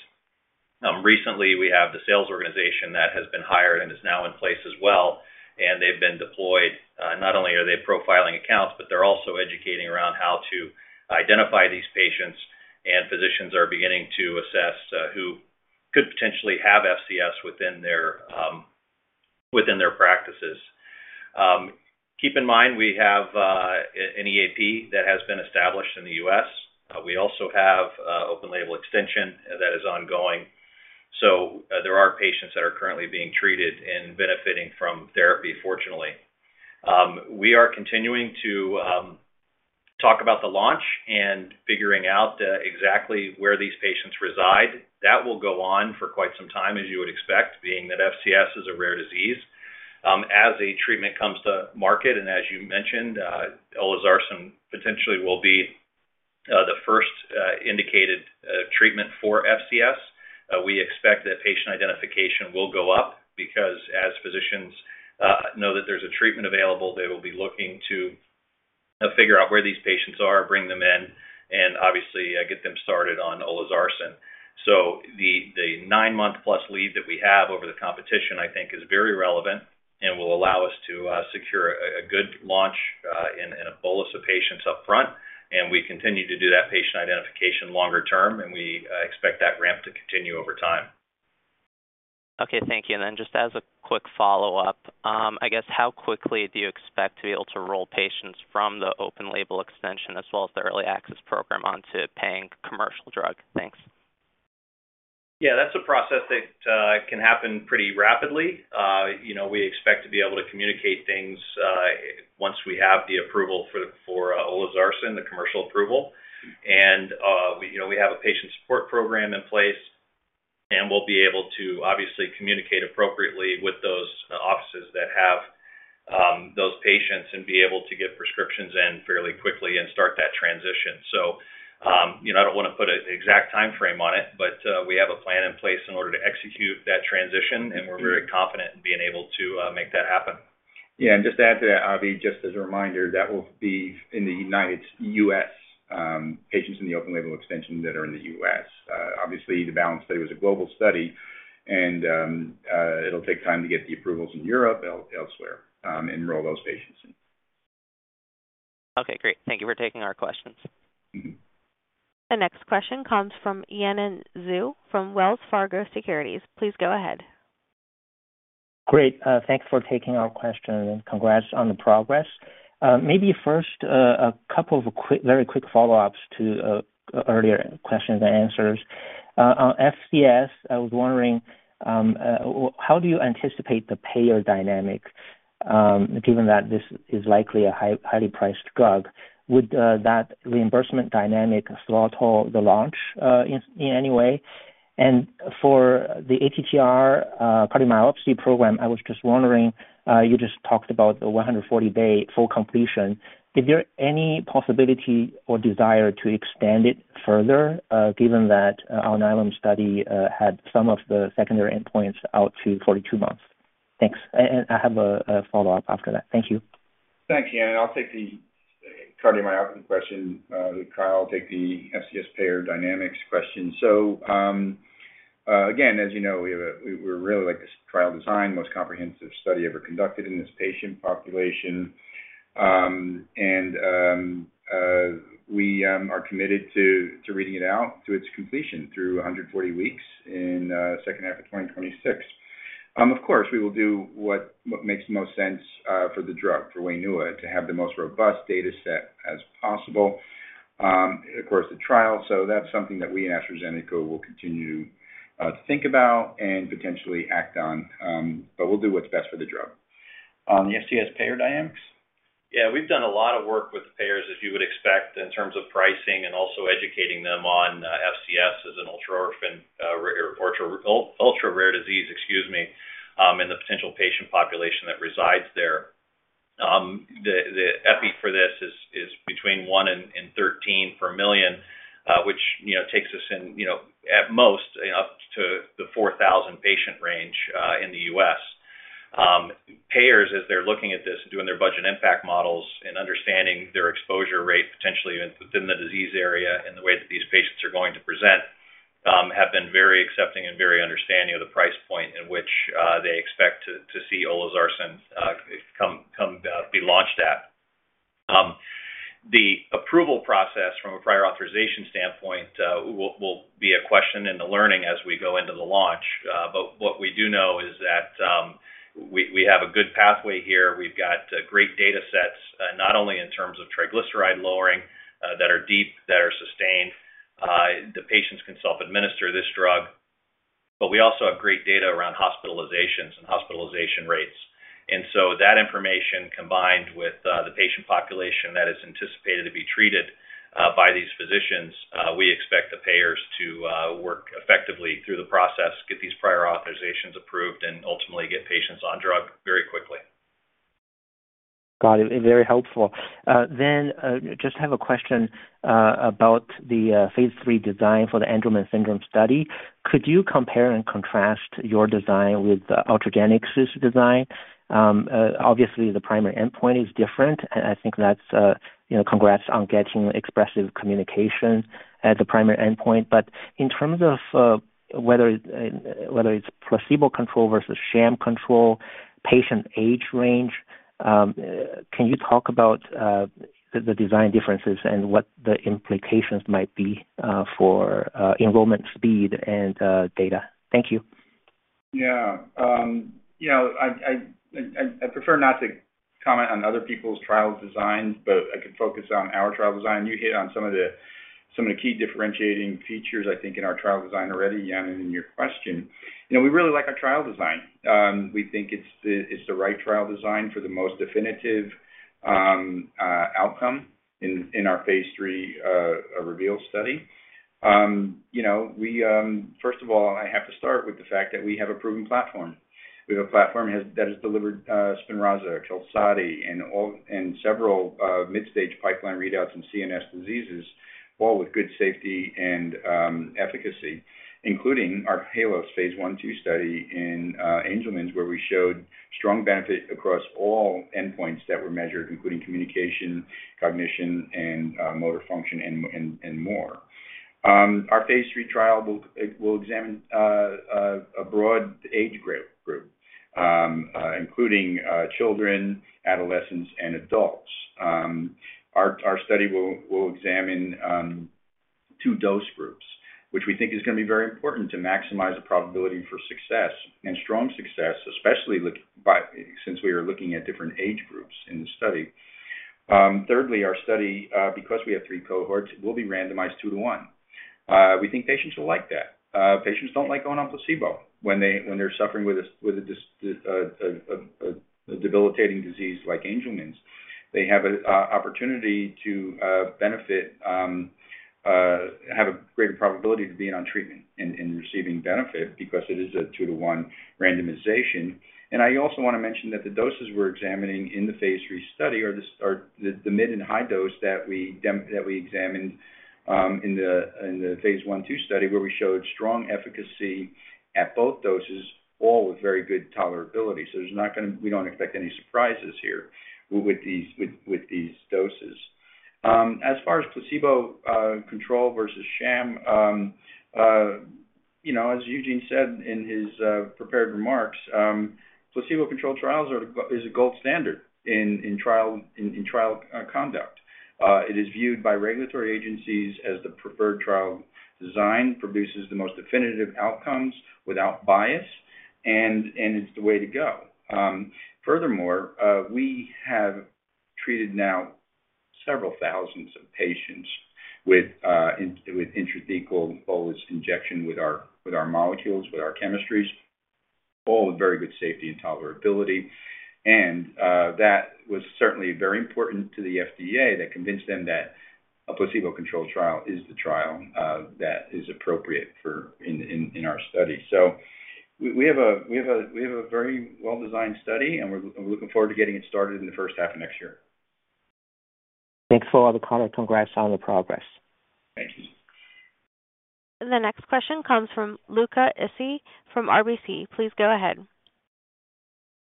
Recently, we have the sales organization that has been hired and is now in place as well. And they've been deployed. Not only are they profiling accounts, but they're also educating around how to identify these patients. And physicians are beginning to assess who could potentially have FCS within their practices. Keep in mind, we have an EAP that has been established in the U.S. We also have open label extension that is ongoing. So there are patients that are currently being treated and benefiting from therapy, fortunately. We are continuing to talk about the launch and figuring out exactly where these patients reside. That will go on for quite some time, as you would expect, being that FCS is a rare disease. As a treatment comes to market, and as you mentioned, olezarsen potentially will be the first indicated treatment for FCS. We expect that patient identification will go up because as physicians know that there's a treatment available, they will be looking to figure out where these patients are, bring them in, and obviously get them started on olezarsen. So the nine-month-plus lead that we have over the competition, I think, is very relevant and will allow us to secure a good launch and a bolus of patients upfront. And we continue to do that patient identification longer term, and we expect that ramp to continue over time. Okay. Thank you. And then just as a quick follow-up, I guess, how quickly do you expect to be able to roll patients from the open-label extension as well as the expanded access program onto paying commercial drug? Thanks. Yeah. That's a process that can happen pretty rapidly. We expect to be able to communicate things once we have the approval for olezarsen, the commercial approval. And we have a patient support program in place, and we'll be able to, obviously, communicate appropriately with those offices that have those patients and be able to get prescriptions in fairly quickly and start that transition. So I don't want to put an exact timeframe on it, but we have a plan in place in order to execute that transition, and we're very confident in being able to make that happen. Yeah. And just to add to that, Avi, just as a reminder, that will be in the United States patients in the open label extension that are in the US. Obviously, the BALANCE study was a global study, and it'll take time to get the approvals in Europe, elsewhere, and enroll those patients. Okay. Great. Thank you for taking our questions. The next question comes from Yanan Zhu from Wells Fargo Securities. Please go ahead. Great. Thanks for taking our question and congrats on the progress. Maybe first, a couple of very quick follow-ups to earlier questions and answers. On FCS, I was wondering, how do you anticipate the payer dynamic given that this is likely a highly priced drug? Would that reimbursement dynamic throttle the launch in any way? And for the ATTR cardiomyopathy program, I was just wondering, you just talked about the 140-day full completion. Is there any possibility or desire to extend it further given that our NEURO-TTR study had some of the secondary endpoints out to 42 months? Thanks. And I have a follow-up after that. Thank you. Thanks, Ian. I'll take the cardiomyopathy question. Kyle, I'll take the FCS payer dynamics question. Again, as you know, we really like this trial design, most comprehensive study ever conducted in this patient population. And we are committed to reading it out to its completion through 140 weeks in the second half of 2026. Of course, we will do what makes the most sense for the drug, for Wainua, to have the most robust data set as possible. Of course, the trial. That's something that we in AstraZeneca will continue to think about and potentially act on. But we'll do what's best for the drug. On the FCS payer dynamics? Yeah. We've done a lot of work with the payers, as you would expect, in terms of pricing and also educating them on FCS as an ultra-rare disease, excuse me, and the potential patient population that resides there. The epi for this is between one and 13 per million, which takes us at most up to the 4,000 patient range in the U.S. Payers, as they're looking at this and doing their budget impact models and understanding their exposure rate potentially within the disease area and the way that these patients are going to present, have been very accepting and very understanding of the price point in which they expect to see olezarsen be launched at. The approval process from a prior authorization standpoint will be a question in the learning as we go into the launch. But what we do know is that we have a good pathway here. We've got great data sets, not only in terms of triglyceride lowering that are deep, that are sustained. The patients can self-administer this drug. But we also have great data around hospitalizations and hospitalization rates. And so that information combined with the patient population that is anticipated to be treated by these physicians, we expect the payers to work effectively through the process, get these prior authorizations approved, and ultimately get patients on drug very quickly. Got it. Very helpful. Then just have a question about the phase III design for the Angelman syndrome study. Could you compare and contrast your design with the Ultragenyx design? Obviously, the primary endpoint is different. And I think that's great. Congrats on getting expressive communication at the primary endpoint. But in terms of whether it's placebo control versus sham control, patient age range, can you talk about the design differences and what the implications might be for enrollment speed and data? Thank you. Yeah. Yeah. I prefer not to comment on other people's trial designs, but I could focus on our trial design. You hit on some of the key differentiating features, I think, in our trial design already, Ian, in your question. We really like our trial design. We think it's the right trial design for the most definitive outcome in our phase III REVEAL study. First of all, I have to start with the fact that we have a proven platform. We have a platform that has delivered Spinraza, Qalsody, and several mid-stage pipeline readouts in CNS diseases, all with good safety and efficacy, including our HALO phase I/2 study in Angelman, where we showed strong benefit across all endpoints that were measured, including communication, cognition, and motor function, and more. Our phase III trial will examine a broad age group, including children, adolescents, and adults. Our study will examine two dose groups, which we think is going to be very important to maximize the probability for success and strong success, especially since we are looking at different age groups in the study. Thirdly, our study, because we have three cohorts, will be randomized two to one. We think patients will like that. Patients don't like going on placebo. When they're suffering with a debilitating disease like Angelman syndrome, they have an opportunity to benefit, have a greater probability to be on treatment and receiving benefit because it is a two to one randomization. I also want to mention that the doses we're examining in the phase III study are the mid and high dose that we examined in the phase I/2 study, where we showed strong efficacy at both doses, all with very good tolerability. We don't expect any surprises here with these doses. As far as placebo control versus sham, as Eugene said in his prepared remarks, placebo-controlled trials are the gold standard in trial conduct. It is viewed by regulatory agencies as the preferred trial design, produces the most definitive outcomes without bias, and it's the way to go. Furthermore, we have treated now several thousands of patients with intrathecal bolus injection with our molecules, with our chemistries, all with very good safety and tolerability. And that was certainly very important to the FDA that convinced them that a placebo-controlled trial is the trial that is appropriate in our study. So we have a very well-designed study, and we're looking forward to getting it started in the first half of next year. Thanks for all the color. Congrats on the progress. Thank you. The next question comes from Luca Issi from RBC. Please go ahead.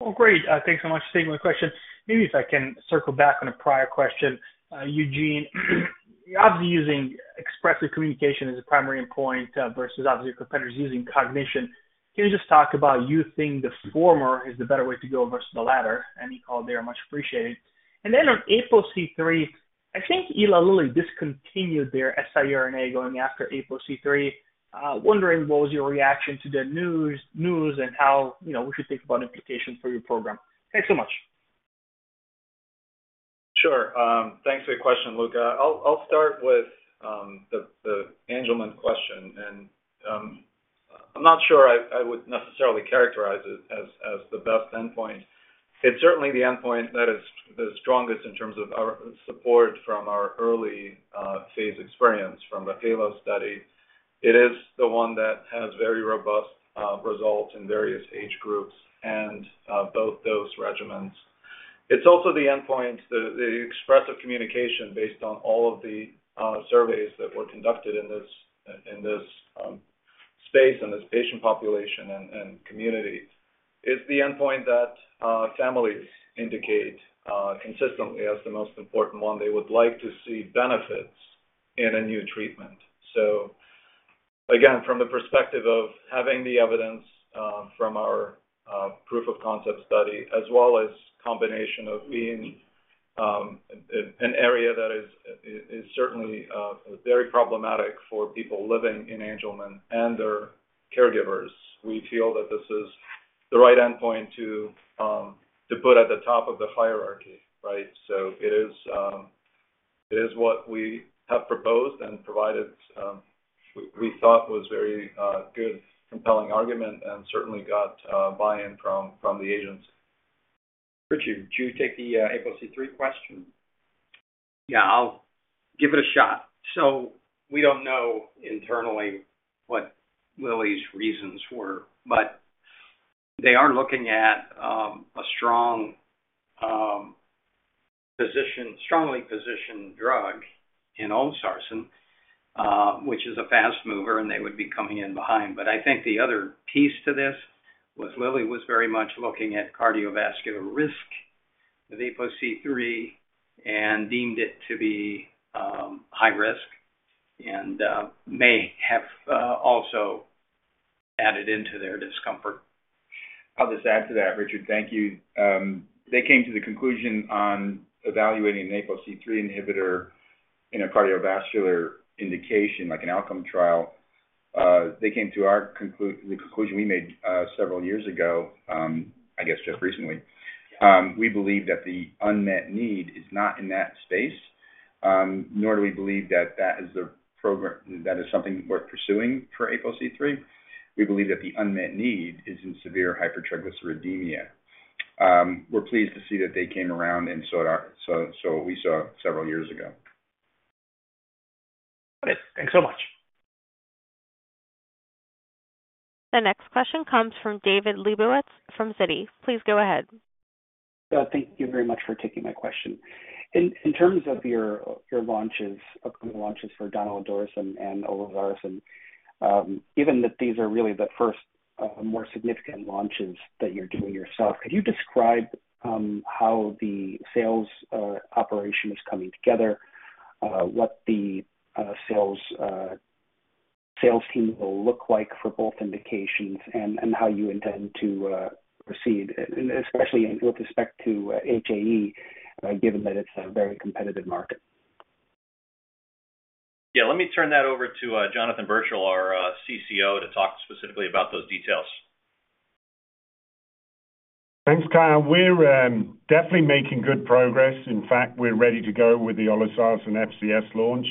Well, great. Thanks so much for taking my question. Maybe if I can circle back on a prior question, Eugene, obviously using expressive communication as a primary endpoint versus obviously competitors using cognition, can you just talk about you think the former is the better way to go versus the latter? And you called there, much appreciated. And then on ApoC3, I think Eli Lilly discontinued their siRNA going after ApoC3. Wondering what was your reaction to the news and how we should think about implications for your program? Thanks so much. Sure. Thanks for the question, Luca. I'll start with the Angelman question, and I'm not sure I would necessarily characterize it as the best endpoint. It's certainly the endpoint that is the strongest in terms of support from our early phase experience from the HALO study. It is the one that has very robust results in various age groups and both dose regimens. It's also the endpoint. The expressive communication based on all of the surveys that were conducted in this space and this patient population and community is the endpoint that families indicate consistently as the most important one. They would like to see benefits in a new treatment. So again, from the perspective of having the evidence from our proof of concept study, as well as combination of being an area that is certainly very problematic for people living in Angelman and their caregivers, we feel that this is the right endpoint to put at the top of the hierarchy, right? So it is what we have proposed and provided. We thought was very good, compelling argument, and certainly got buy-in from the agency. Richard, would you take the ApoC3 question? Yeah. I'll give it a shot. So we don't know internally what Lilly's reasons were, but they are looking at a strongly positioned drug in olezarsen, which is a fast mover, and they would be coming in behind. But I think the other piece to this was Eli Lilly was very much looking at cardiovascular risk with ApoC3 and deemed it to be high risk and may have also added into their discomfort. I'll just add to that, Richard. Thank you. They came to the conclusion on evaluating an ApoC3 inhibitor in a cardiovascular indication, like an outcome trial. They came to the conclusion we made several years ago, I guess just recently. We believe that the unmet need is not in that space, nor do we believe that that is the program that is something worth pursuing for ApoC3. We believe that the unmet need is in severe hypertriglyceridemia. We're pleased to see that they came around and saw what we saw several years ago. Got it. Thanks so much. The next question comes from David Lebowitz from Citi. Please go ahead. Thank you very much for taking my question. In terms of your upcoming launches for donidalorsen and olezarsen, given that these are really the first more significant launches that you're doing yourself, could you describe how the sales operation is coming together, what the sales team will look like for both indications, and how you intend to proceed, especially with respect to HAE, given that it's a very competitive market? Yeah. Let me turn that over to Jonathan Birchall, our CCO, to talk specifically about those details. Thanks, Kyle. We're definitely making good progress. In fact, we're ready to go with the olezarsen FCS launch.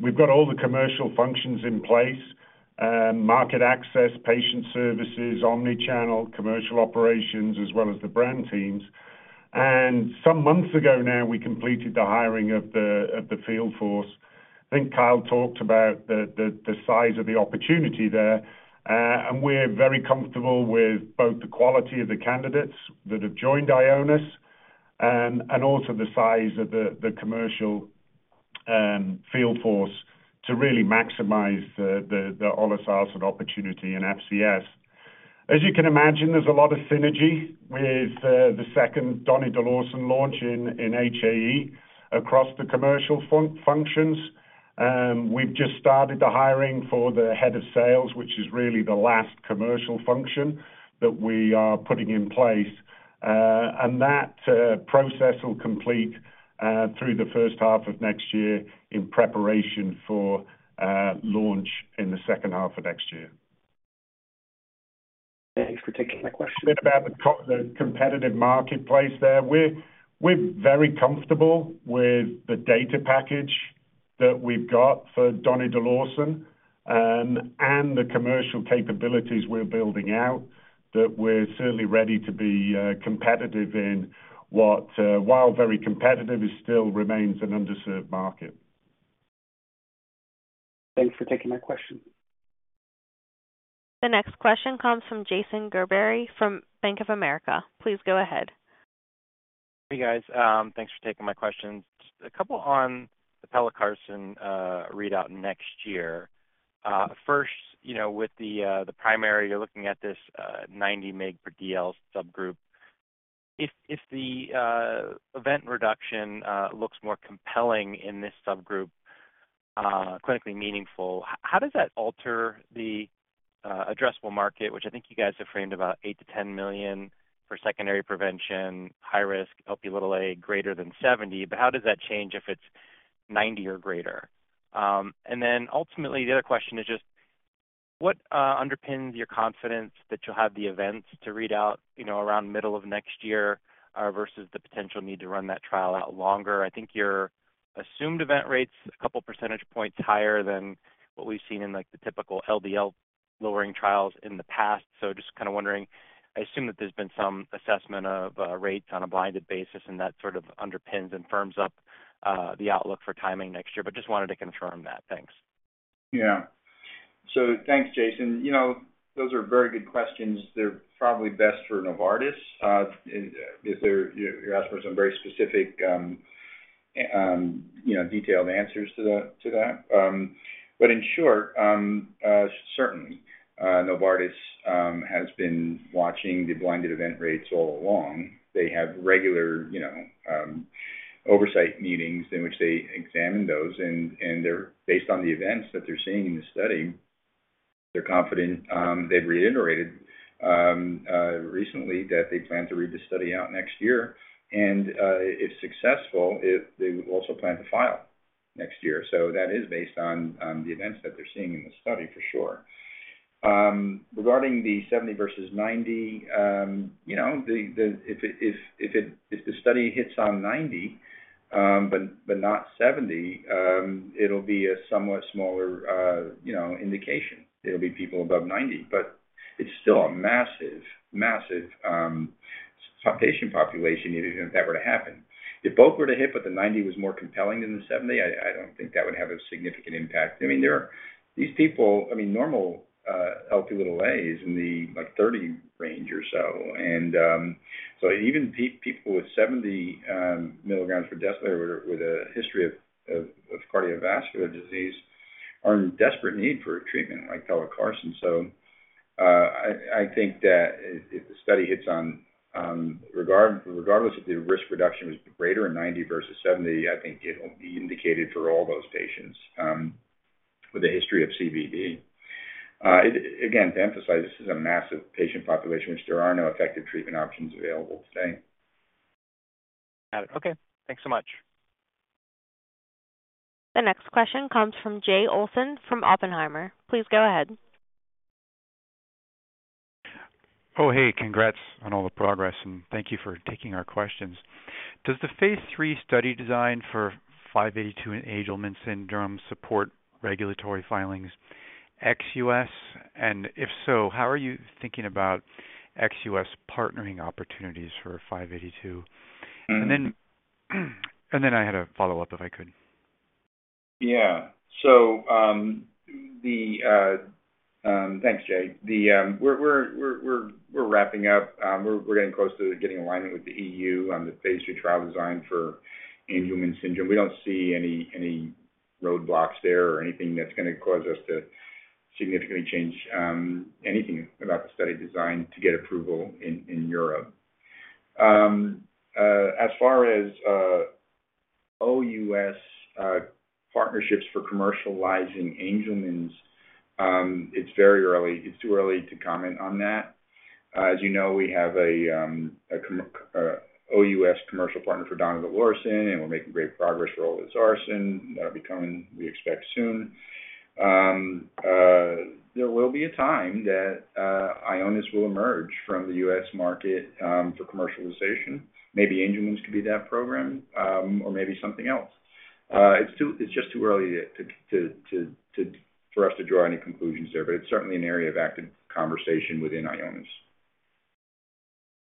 We've got all the commercial functions in place: market access, patient services, omnichannel, commercial operations, as well as the brand teams. And some months ago now, we completed the hiring of the field force. I think Kyle talked about the size of the opportunity there. And we're very comfortable with both the quality of the candidates that have joined Ionis and also the size of the commercial field force to really maximize the olezarsen opportunity in FCS. As you can imagine, there's a lot of synergy with the second donidalorsen launch in HAE across the commercial functions. We've just started the hiring for the head of sales, which is really the last commercial function that we are putting in place. And that process will complete through the first half of next year in preparation for launch in the second half of next year. Thanks for taking my question. A bit about the competitive marketplace there. We're very comfortable with the data package that we've got for donidalorsen and the commercial capabilities we're building out that we're certainly ready to be competitive in while very competitive still remains an underserved market. Thanks for taking my question. The next question comes from Jason Gerberry from Bank of America. Please go ahead. Hey, guys. Thanks for taking my questions. A couple on the pelacarsen readout next year. First, with the primary, you're looking at this 90 mg/dL subgroup. If the event reduction looks more compelling in this subgroup, clinically meaningful, how does that alter the addressable market, which I think you guys have framed about 8 to 10 million for secondary prevention, high risk, Lp(a) greater than 70, but how does that change if it's 90 or greater? And then ultimately, the other question is just what underpins your confidence that you'll have the events to read out around middle of next year versus the potential need to run that trial out longer? I think your assumed event rates are a couple percentage points higher than what we've seen in the typical LDL-lowering trials in the past. So just kind of wondering, I assume that there's been some assessment of rates on a blinded basis, and that sort of underpins and firms up the outlook for timing next year, but just wanted to confirm that. Thanks. Yeah. So thanks, Jason. Those are very good questions. They're probably best for Novartis if you're asking for some very specific detailed answers to that. But in short, certainly, Novartis has been watching the blinded event rates all along. They have regular oversight meetings in which they examine those. Based on the events that they're seeing in the study, they're confident. They've reiterated recently that they plan to read the study out next year. If successful, they will also plan to file next year. That is based on the events that they're seeing in the study, for sure. Regarding the 70 versus 90, if the study hits on 90 but not 70, it'll be a somewhat smaller indication. It'll be people above 90, but it's still a massive, massive patient population if it were to happen. If both were to hit, but the 90 was more compelling than the 70, I don't think that would have a significant impact. I mean, these people, I mean, normal Lp(a) is in the 30 range or so. And so even people with 70 milligrams per deciliter with a history of cardiovascular disease are in desperate need for treatment like pelacarsen. So I think that if the study hits on, regardless if the risk reduction was greater in 90 versus 70, I think it'll be indicated for all those patients with a history of CVD. Again, to emphasize, this is a massive patient population, which there are no effective treatment options available today. Got it. Okay. Thanks so much. The next question comes from Jay Olson from Oppenheimer. Please go ahead. Oh, hey. Congrats on all the progress, and thank you for taking our questions. Does the phase III study design for 582 and Angelman syndrome support regulatory filings ex-US? And if so, how are you thinking about ex-US partnering opportunities for 582? And then I had a follow-up if I could. Yeah. So thanks, Jay. We're wrapping up. We're getting close to getting alignment with the EU on the phase III trial design for Angelman syndrome. We don't see any roadblocks there or anything that's going to cause us to significantly change anything about the study design to get approval in Europe. As far as OUS partnerships for commercializing Angelman's, it's very early. It's too early to comment on that. As you know, we have an OUS commercial partner for donidalorsen, and we're making great progress for olezarsen that will be coming, we expect, soon. There will be a time that Ionis will emerge from the U.S. market for commercialization. Maybe Angelman's could be that program, or maybe something else. It's just too early for us to draw any conclusions there, but it's certainly an area of active conversation within Ionis.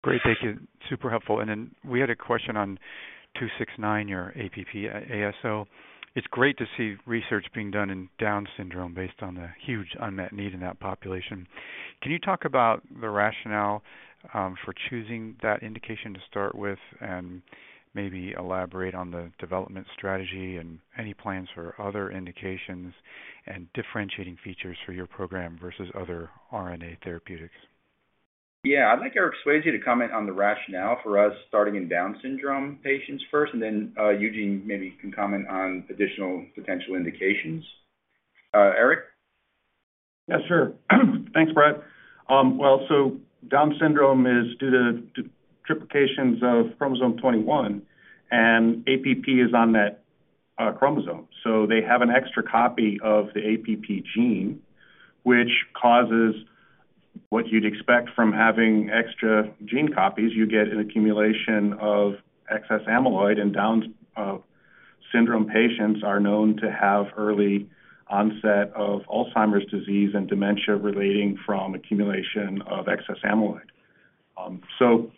Great. Thank you. Super helpful. And then we had a question on 269, your APP ASO. It's great to see research being done in Down syndrome based on the huge unmet need in that population. Can you talk about the rationale for choosing that indication to start with and maybe elaborate on the development strategy and any plans for other indications and differentiating features for your program versus other RNA therapeutics? Yeah. I'd like Eric Swayze to comment on the rationale for us starting in Down syndrome patients first, and then Eugene maybe can comment on additional potential indications. Eric? Yeah, sure. Thanks, Brett. Well, so Down syndrome is due to triplications of chromosome 21, and APP is on that chromosome. So they have an extra copy of the APP gene, which causes what you'd expect from having extra gene copies. You get an accumulation of excess amyloid, and Down syndrome patients are known to have early onset of Alzheimer's disease and dementia relating from accumulation of excess amyloid. So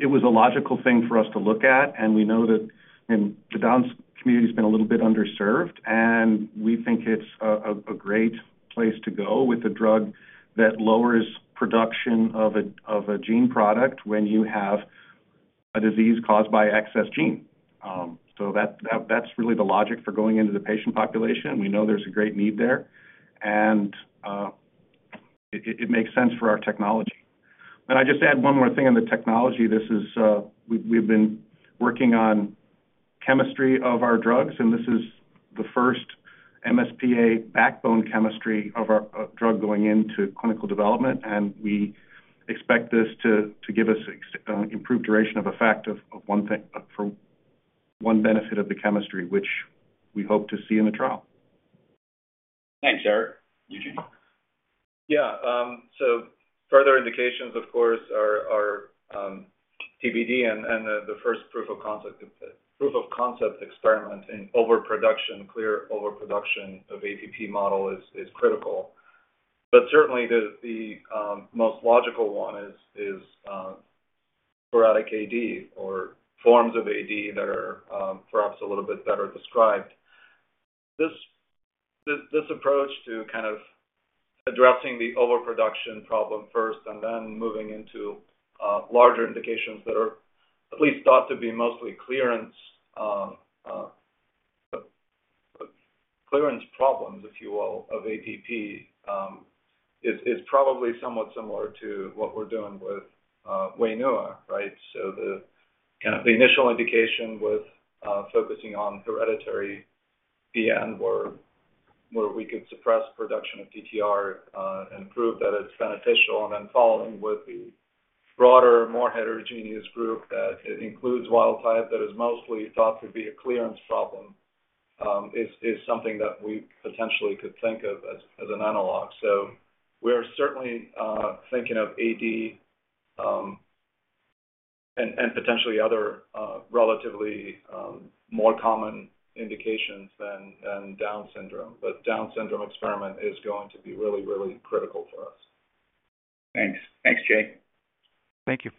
it was a logical thing for us to look at, and we know that the Down community has been a little bit underserved, and we think it's a great place to go with a drug that lowers production of a gene product when you have a disease caused by excess gene. So that's really the logic for going into the patient population. We know there's a great need there, and it makes sense for our technology, and I just add one more thing on the technology. We've been working on chemistry of our drugs, and this is the first MsPA backbone chemistry of our drug going into clinical development, and we expect this to give us improved duration of effect for one benefit of the chemistry, which we hope to see in the trial. Thanks, Eric. Eugene? Yeah. So further indications, of course, are TBD, and the first proof of concept experiment in overproduction, clear overproduction of APP model is critical. But certainly, the most logical one is sporadic AD or forms of AD that are perhaps a little bit better described. This approach to kind of addressing the overproduction problem first and then moving into larger indications that are at least thought to be mostly clearance problems, if you will, of APP is probably somewhat similar to what we're doing with Wainua, right? So the initial indication with focusing on hereditary ATTR, where we could suppress production of TTR and prove that it's beneficial, and then following with the broader, more heterogeneous group that includes wild type that is mostly thought to be a clearance problem, is something that we potentially could think of as an analog. So we're certainly thinking of AD and potentially other relatively more common indications than Down syndrome. But Down syndrome experiment is going to be really, really critical for us. Thanks. Thanks, Jay. Thank you.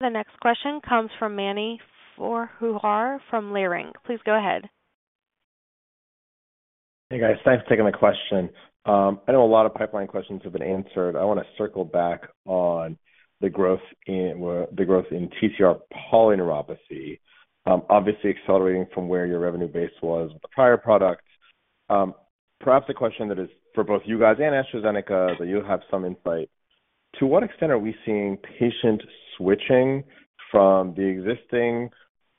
The next question comes from Mani Foroohar from Leerink. Please go ahead. Hey, guys. Thanks for taking my question. I know a lot of pipeline questions have been answered. I want to circle back on the growth in ATTR polyneuropathy, obviously accelerating from where your revenue base was with the prior product. Perhaps a question that is for both you guys and AstraZeneca, that you have some insight. To what extent are we seeing patient switching from the existing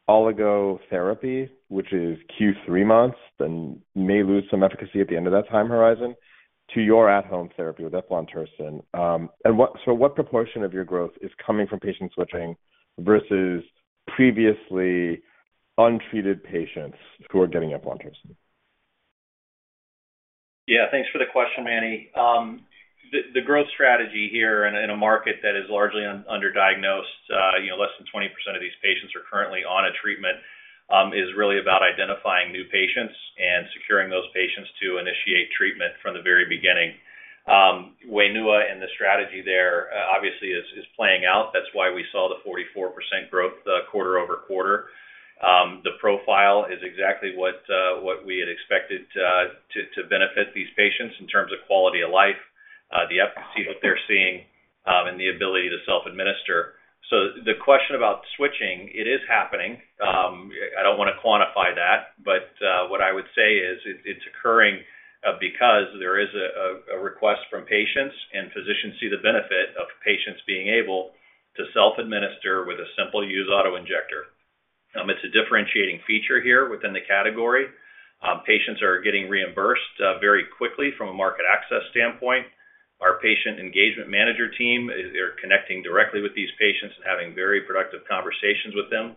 oligotherapy, which is every 3 months, and may lose some efficacy at the end of that time horizon, to your at-home therapy with eplontersen? And so what proportion of your growth is coming from patient switching versus previously untreated patients who are getting eplontersen? Yeah. Thanks for the question, Manny. The growth strategy here in a market that is largely underdiagnosed, less than 20% of these patients are currently on a treatment, is really about identifying new patients and securing those patients to initiate treatment from the very beginning. Wainua and the strategy there, obviously, is playing out. That's why we saw the 44% growth quarter over quarter. The profile is exactly what we had expected to benefit these patients in terms of quality of life, the efficacy that they're seeing, and the ability to self-administer, so the question about switching, it is happening. I don't want to quantify that, but what I would say is it's occurring because there is a request from patients, and physicians see the benefit of patients being able to self-administer with a simple use autoinjector. It's a differentiating feature here within the category. Patients are getting reimbursed very quickly from a market access standpoint. Our patient engagement manager team, they're connecting directly with these patients and having very productive conversations with them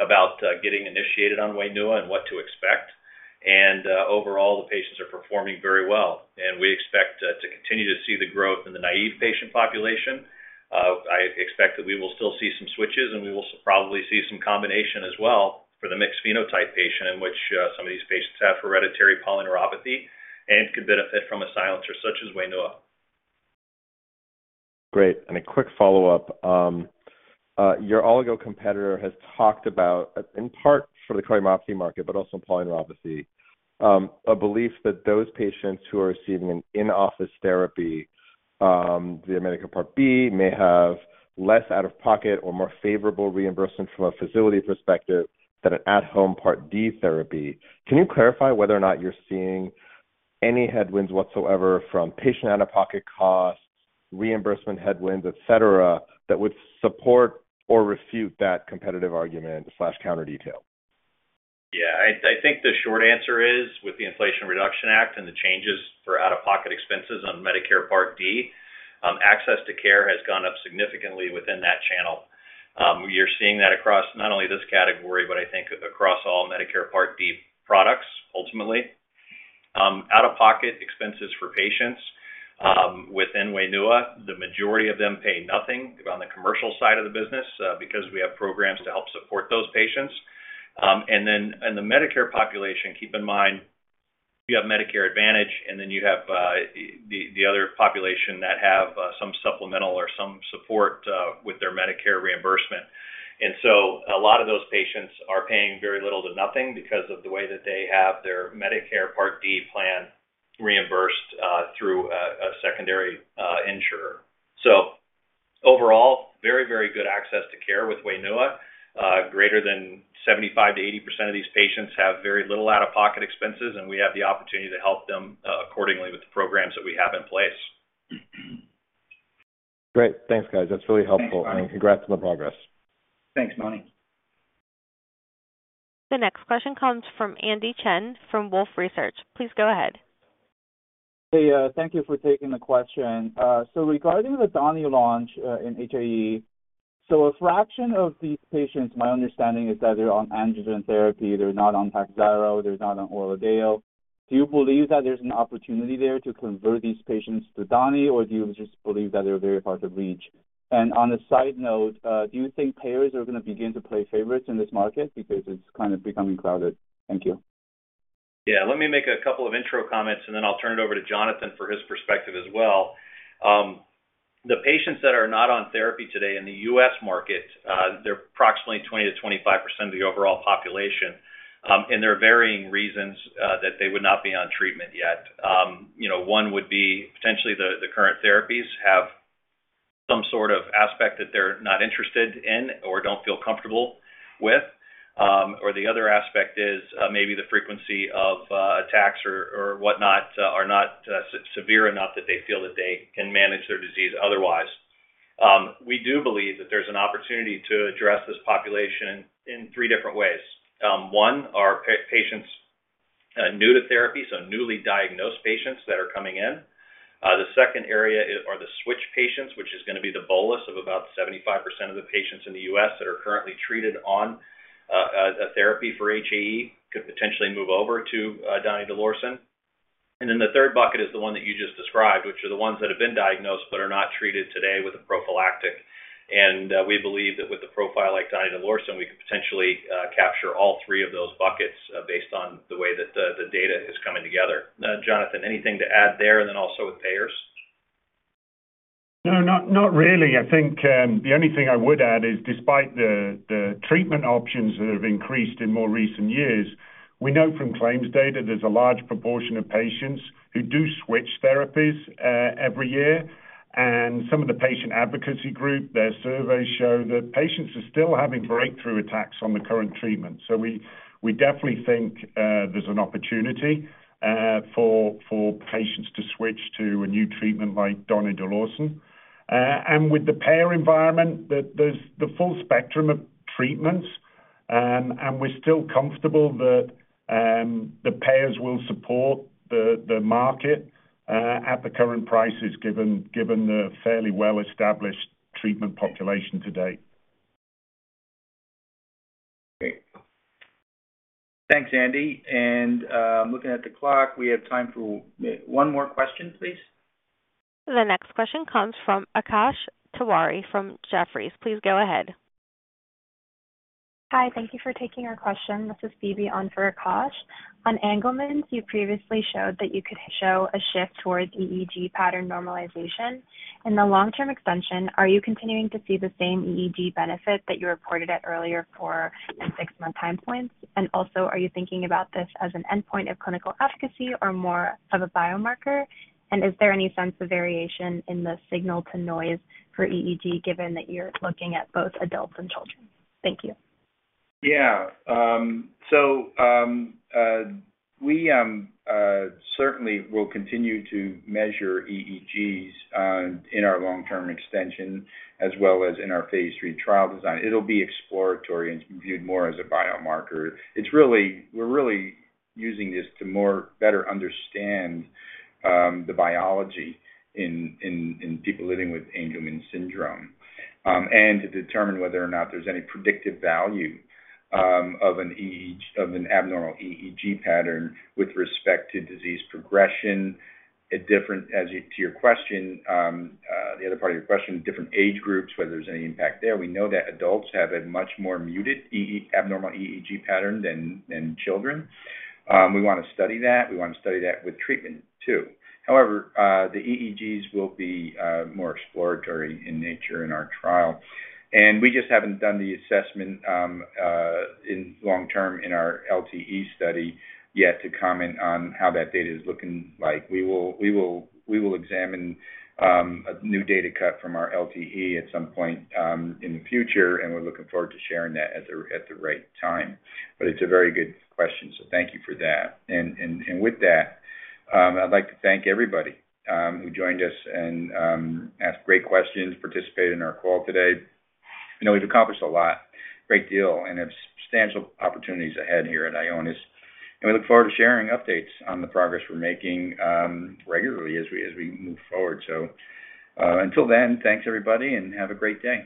about getting initiated on Wainua and what to expect, and overall, the patients are performing very well, and we expect to continue to see the growth in the naive patient population. I expect that we will still see some switches, and we will probably see some combination as well for the mixed phenotype patient in which some of these patients have hereditary polyneuropathy and could benefit from a silencer such as Wainua. Great. And a quick follow-up. Your oligo competitor has talked about, in part for the cardiomyopathy market, but also polyneuropathy, a belief that those patients who are receiving an in-office therapy, the Medicare Part B, may have less out-of-pocket or more favorable reimbursement from a facility perspective than an at-home Part D therapy. Can you clarify whether or not you're seeing any headwinds whatsoever from patient out-of-pocket costs, reimbursement headwinds, etc., that would support or refute that competitive argument/counter detail? Yeah. I think the short answer is, with the Inflation Reduction Act and the changes for out-of-pocket expenses on Medicare Part D, access to care has gone up significantly within that channel. You're seeing that across not only this category, but I think across all Medicare Part D products ultimately. Out-of-pocket expenses for patients within Wainua, the majority of them pay nothing on the commercial side of the business because we have programs to help support those patients. And then in the Medicare population, keep in mind, you have Medicare Advantage, and then you have the other population that have some supplemental or some support with their Medicare reimbursement. And so a lot of those patients are paying very little to nothing because of the way that they have their Medicare Part D plan reimbursed through a secondary insurer. So overall, very, very good access to care with Wainua. Greater than 75%-80% of these patients have very little out-of-pocket expenses, and we have the opportunity to help them accordingly with the programs that we have in place. Great. Thanks, guys. That's really helpful. And congrats on the progress. Thanks, Manny. The next question comes from Andy Chen from Wolfe Research. Please go ahead. Hey, thank you for taking the question. So regarding the donidalorsen launch in HAE, so a fraction of these patients, my understanding is that they're on androgen therapy. They're not on Takhzyro. They're not on Orladeyo. Do you believe that there's an opportunity there to convert these patients to donidalorsen, or do you just believe that they're very hard to reach? And on a side note, do you think payers are going to begin to play favorites in this market because it's kind of becoming crowded? Thank you. Yeah. Let me make a couple of intro comments, and then I'll turn it over to Jonathan for his perspective as well. The patients that are not on therapy today in the U.S. market, they're approximately 20%-25% of the overall population, and there are varying reasons that they would not be on treatment yet. One would be potentially the current therapies have some sort of aspect that they're not interested in or don't feel comfortable with, or the other aspect is maybe the frequency of attacks or whatnot are not severe enough that they feel that they can manage their disease otherwise. We do believe that there's an opportunity to address this population in three different ways. One, are patients new to therapy, so newly diagnosed patients that are coming in. The second area are the switch patients, which is going to be the bolus of about 75% of the patients in the U.S. that are currently treated on a therapy for HAE, could potentially move over to donidalorsen. And then the third bucket is the one that you just described, which are the ones that have been diagnosed but are not treated today with a prophylactic. And we believe that with a profile like donidalorsen, we could potentially capture all three of those buckets based on the way that the data is coming together. Jonathan, anything to add there? And then also with payers? No, not really. I think the only thing I would add is, despite the treatment options that have increased in more recent years, we know from claims data there's a large proportion of patients who do switch therapies every year. Some of the patient advocacy group, their surveys show that patients are still having breakthrough attacks on the current treatment. So we definitelythink there's an opportunity for patients to switch to a new treatment like donidalorsen. And with the payer environment, there's the full spectrum of treatments, and we're still comfortable that the payers will support the market at the current prices given the fairly well-established treatment population today. Great. Thanks, Andy. And looking at the clock, we have time for one more question, please. The next question comes from Akash Tewari from Jefferies. Please go ahead. Hi. Thank you for taking our question. This is Phoebe on for Akash. On Angelman, you previously showed that you could show a shift towards EEG pattern normalization. In the long-term extension, are you continuing to see the same EEG benefit that you reported at earlier for in six-month time points? And also, are you thinking about this as an endpoint of clinical efficacy or more of a biomarker? And is there any sense of variation in the signal-to-noise for EEG given that you're looking at both adults and children? Thank you. Yeah. So we certainly will continue to measure EEGs in our long-term extension as well as in our phase III trial design. It'll be exploratory and viewed more as a biomarker. We're really using this to better understand the biology in people living with Angelman syndrome and to determine whether or not there's any predictive value of an abnormal EEG pattern with respect to disease progression. As to your question, the other part of your question, different age groups, whether there's any impact there. We know that adults have a much more muted abnormal EEG pattern than children. We want to study that. We want to study that with treatment too. However, the EEGs will be more exploratory in nature in our trial, and we just haven't done the assessment in long-term in our LTE study yet to comment on how that data is looking like. We will examine a new data cut from our LTE at some point in the future, and we're looking forward to sharing that at the right time, but it's a very good question, so thank you for that and with that, I'd like to thank everybody who joined us and asked great questions, participated in our call today. We've accomplished a lot, a great deal, and have substantial opportunities ahead here at Ionis. We look forward to sharing updates on the progress we're making regularly as we move forward. Until then, thanks, everybody, and have a great day.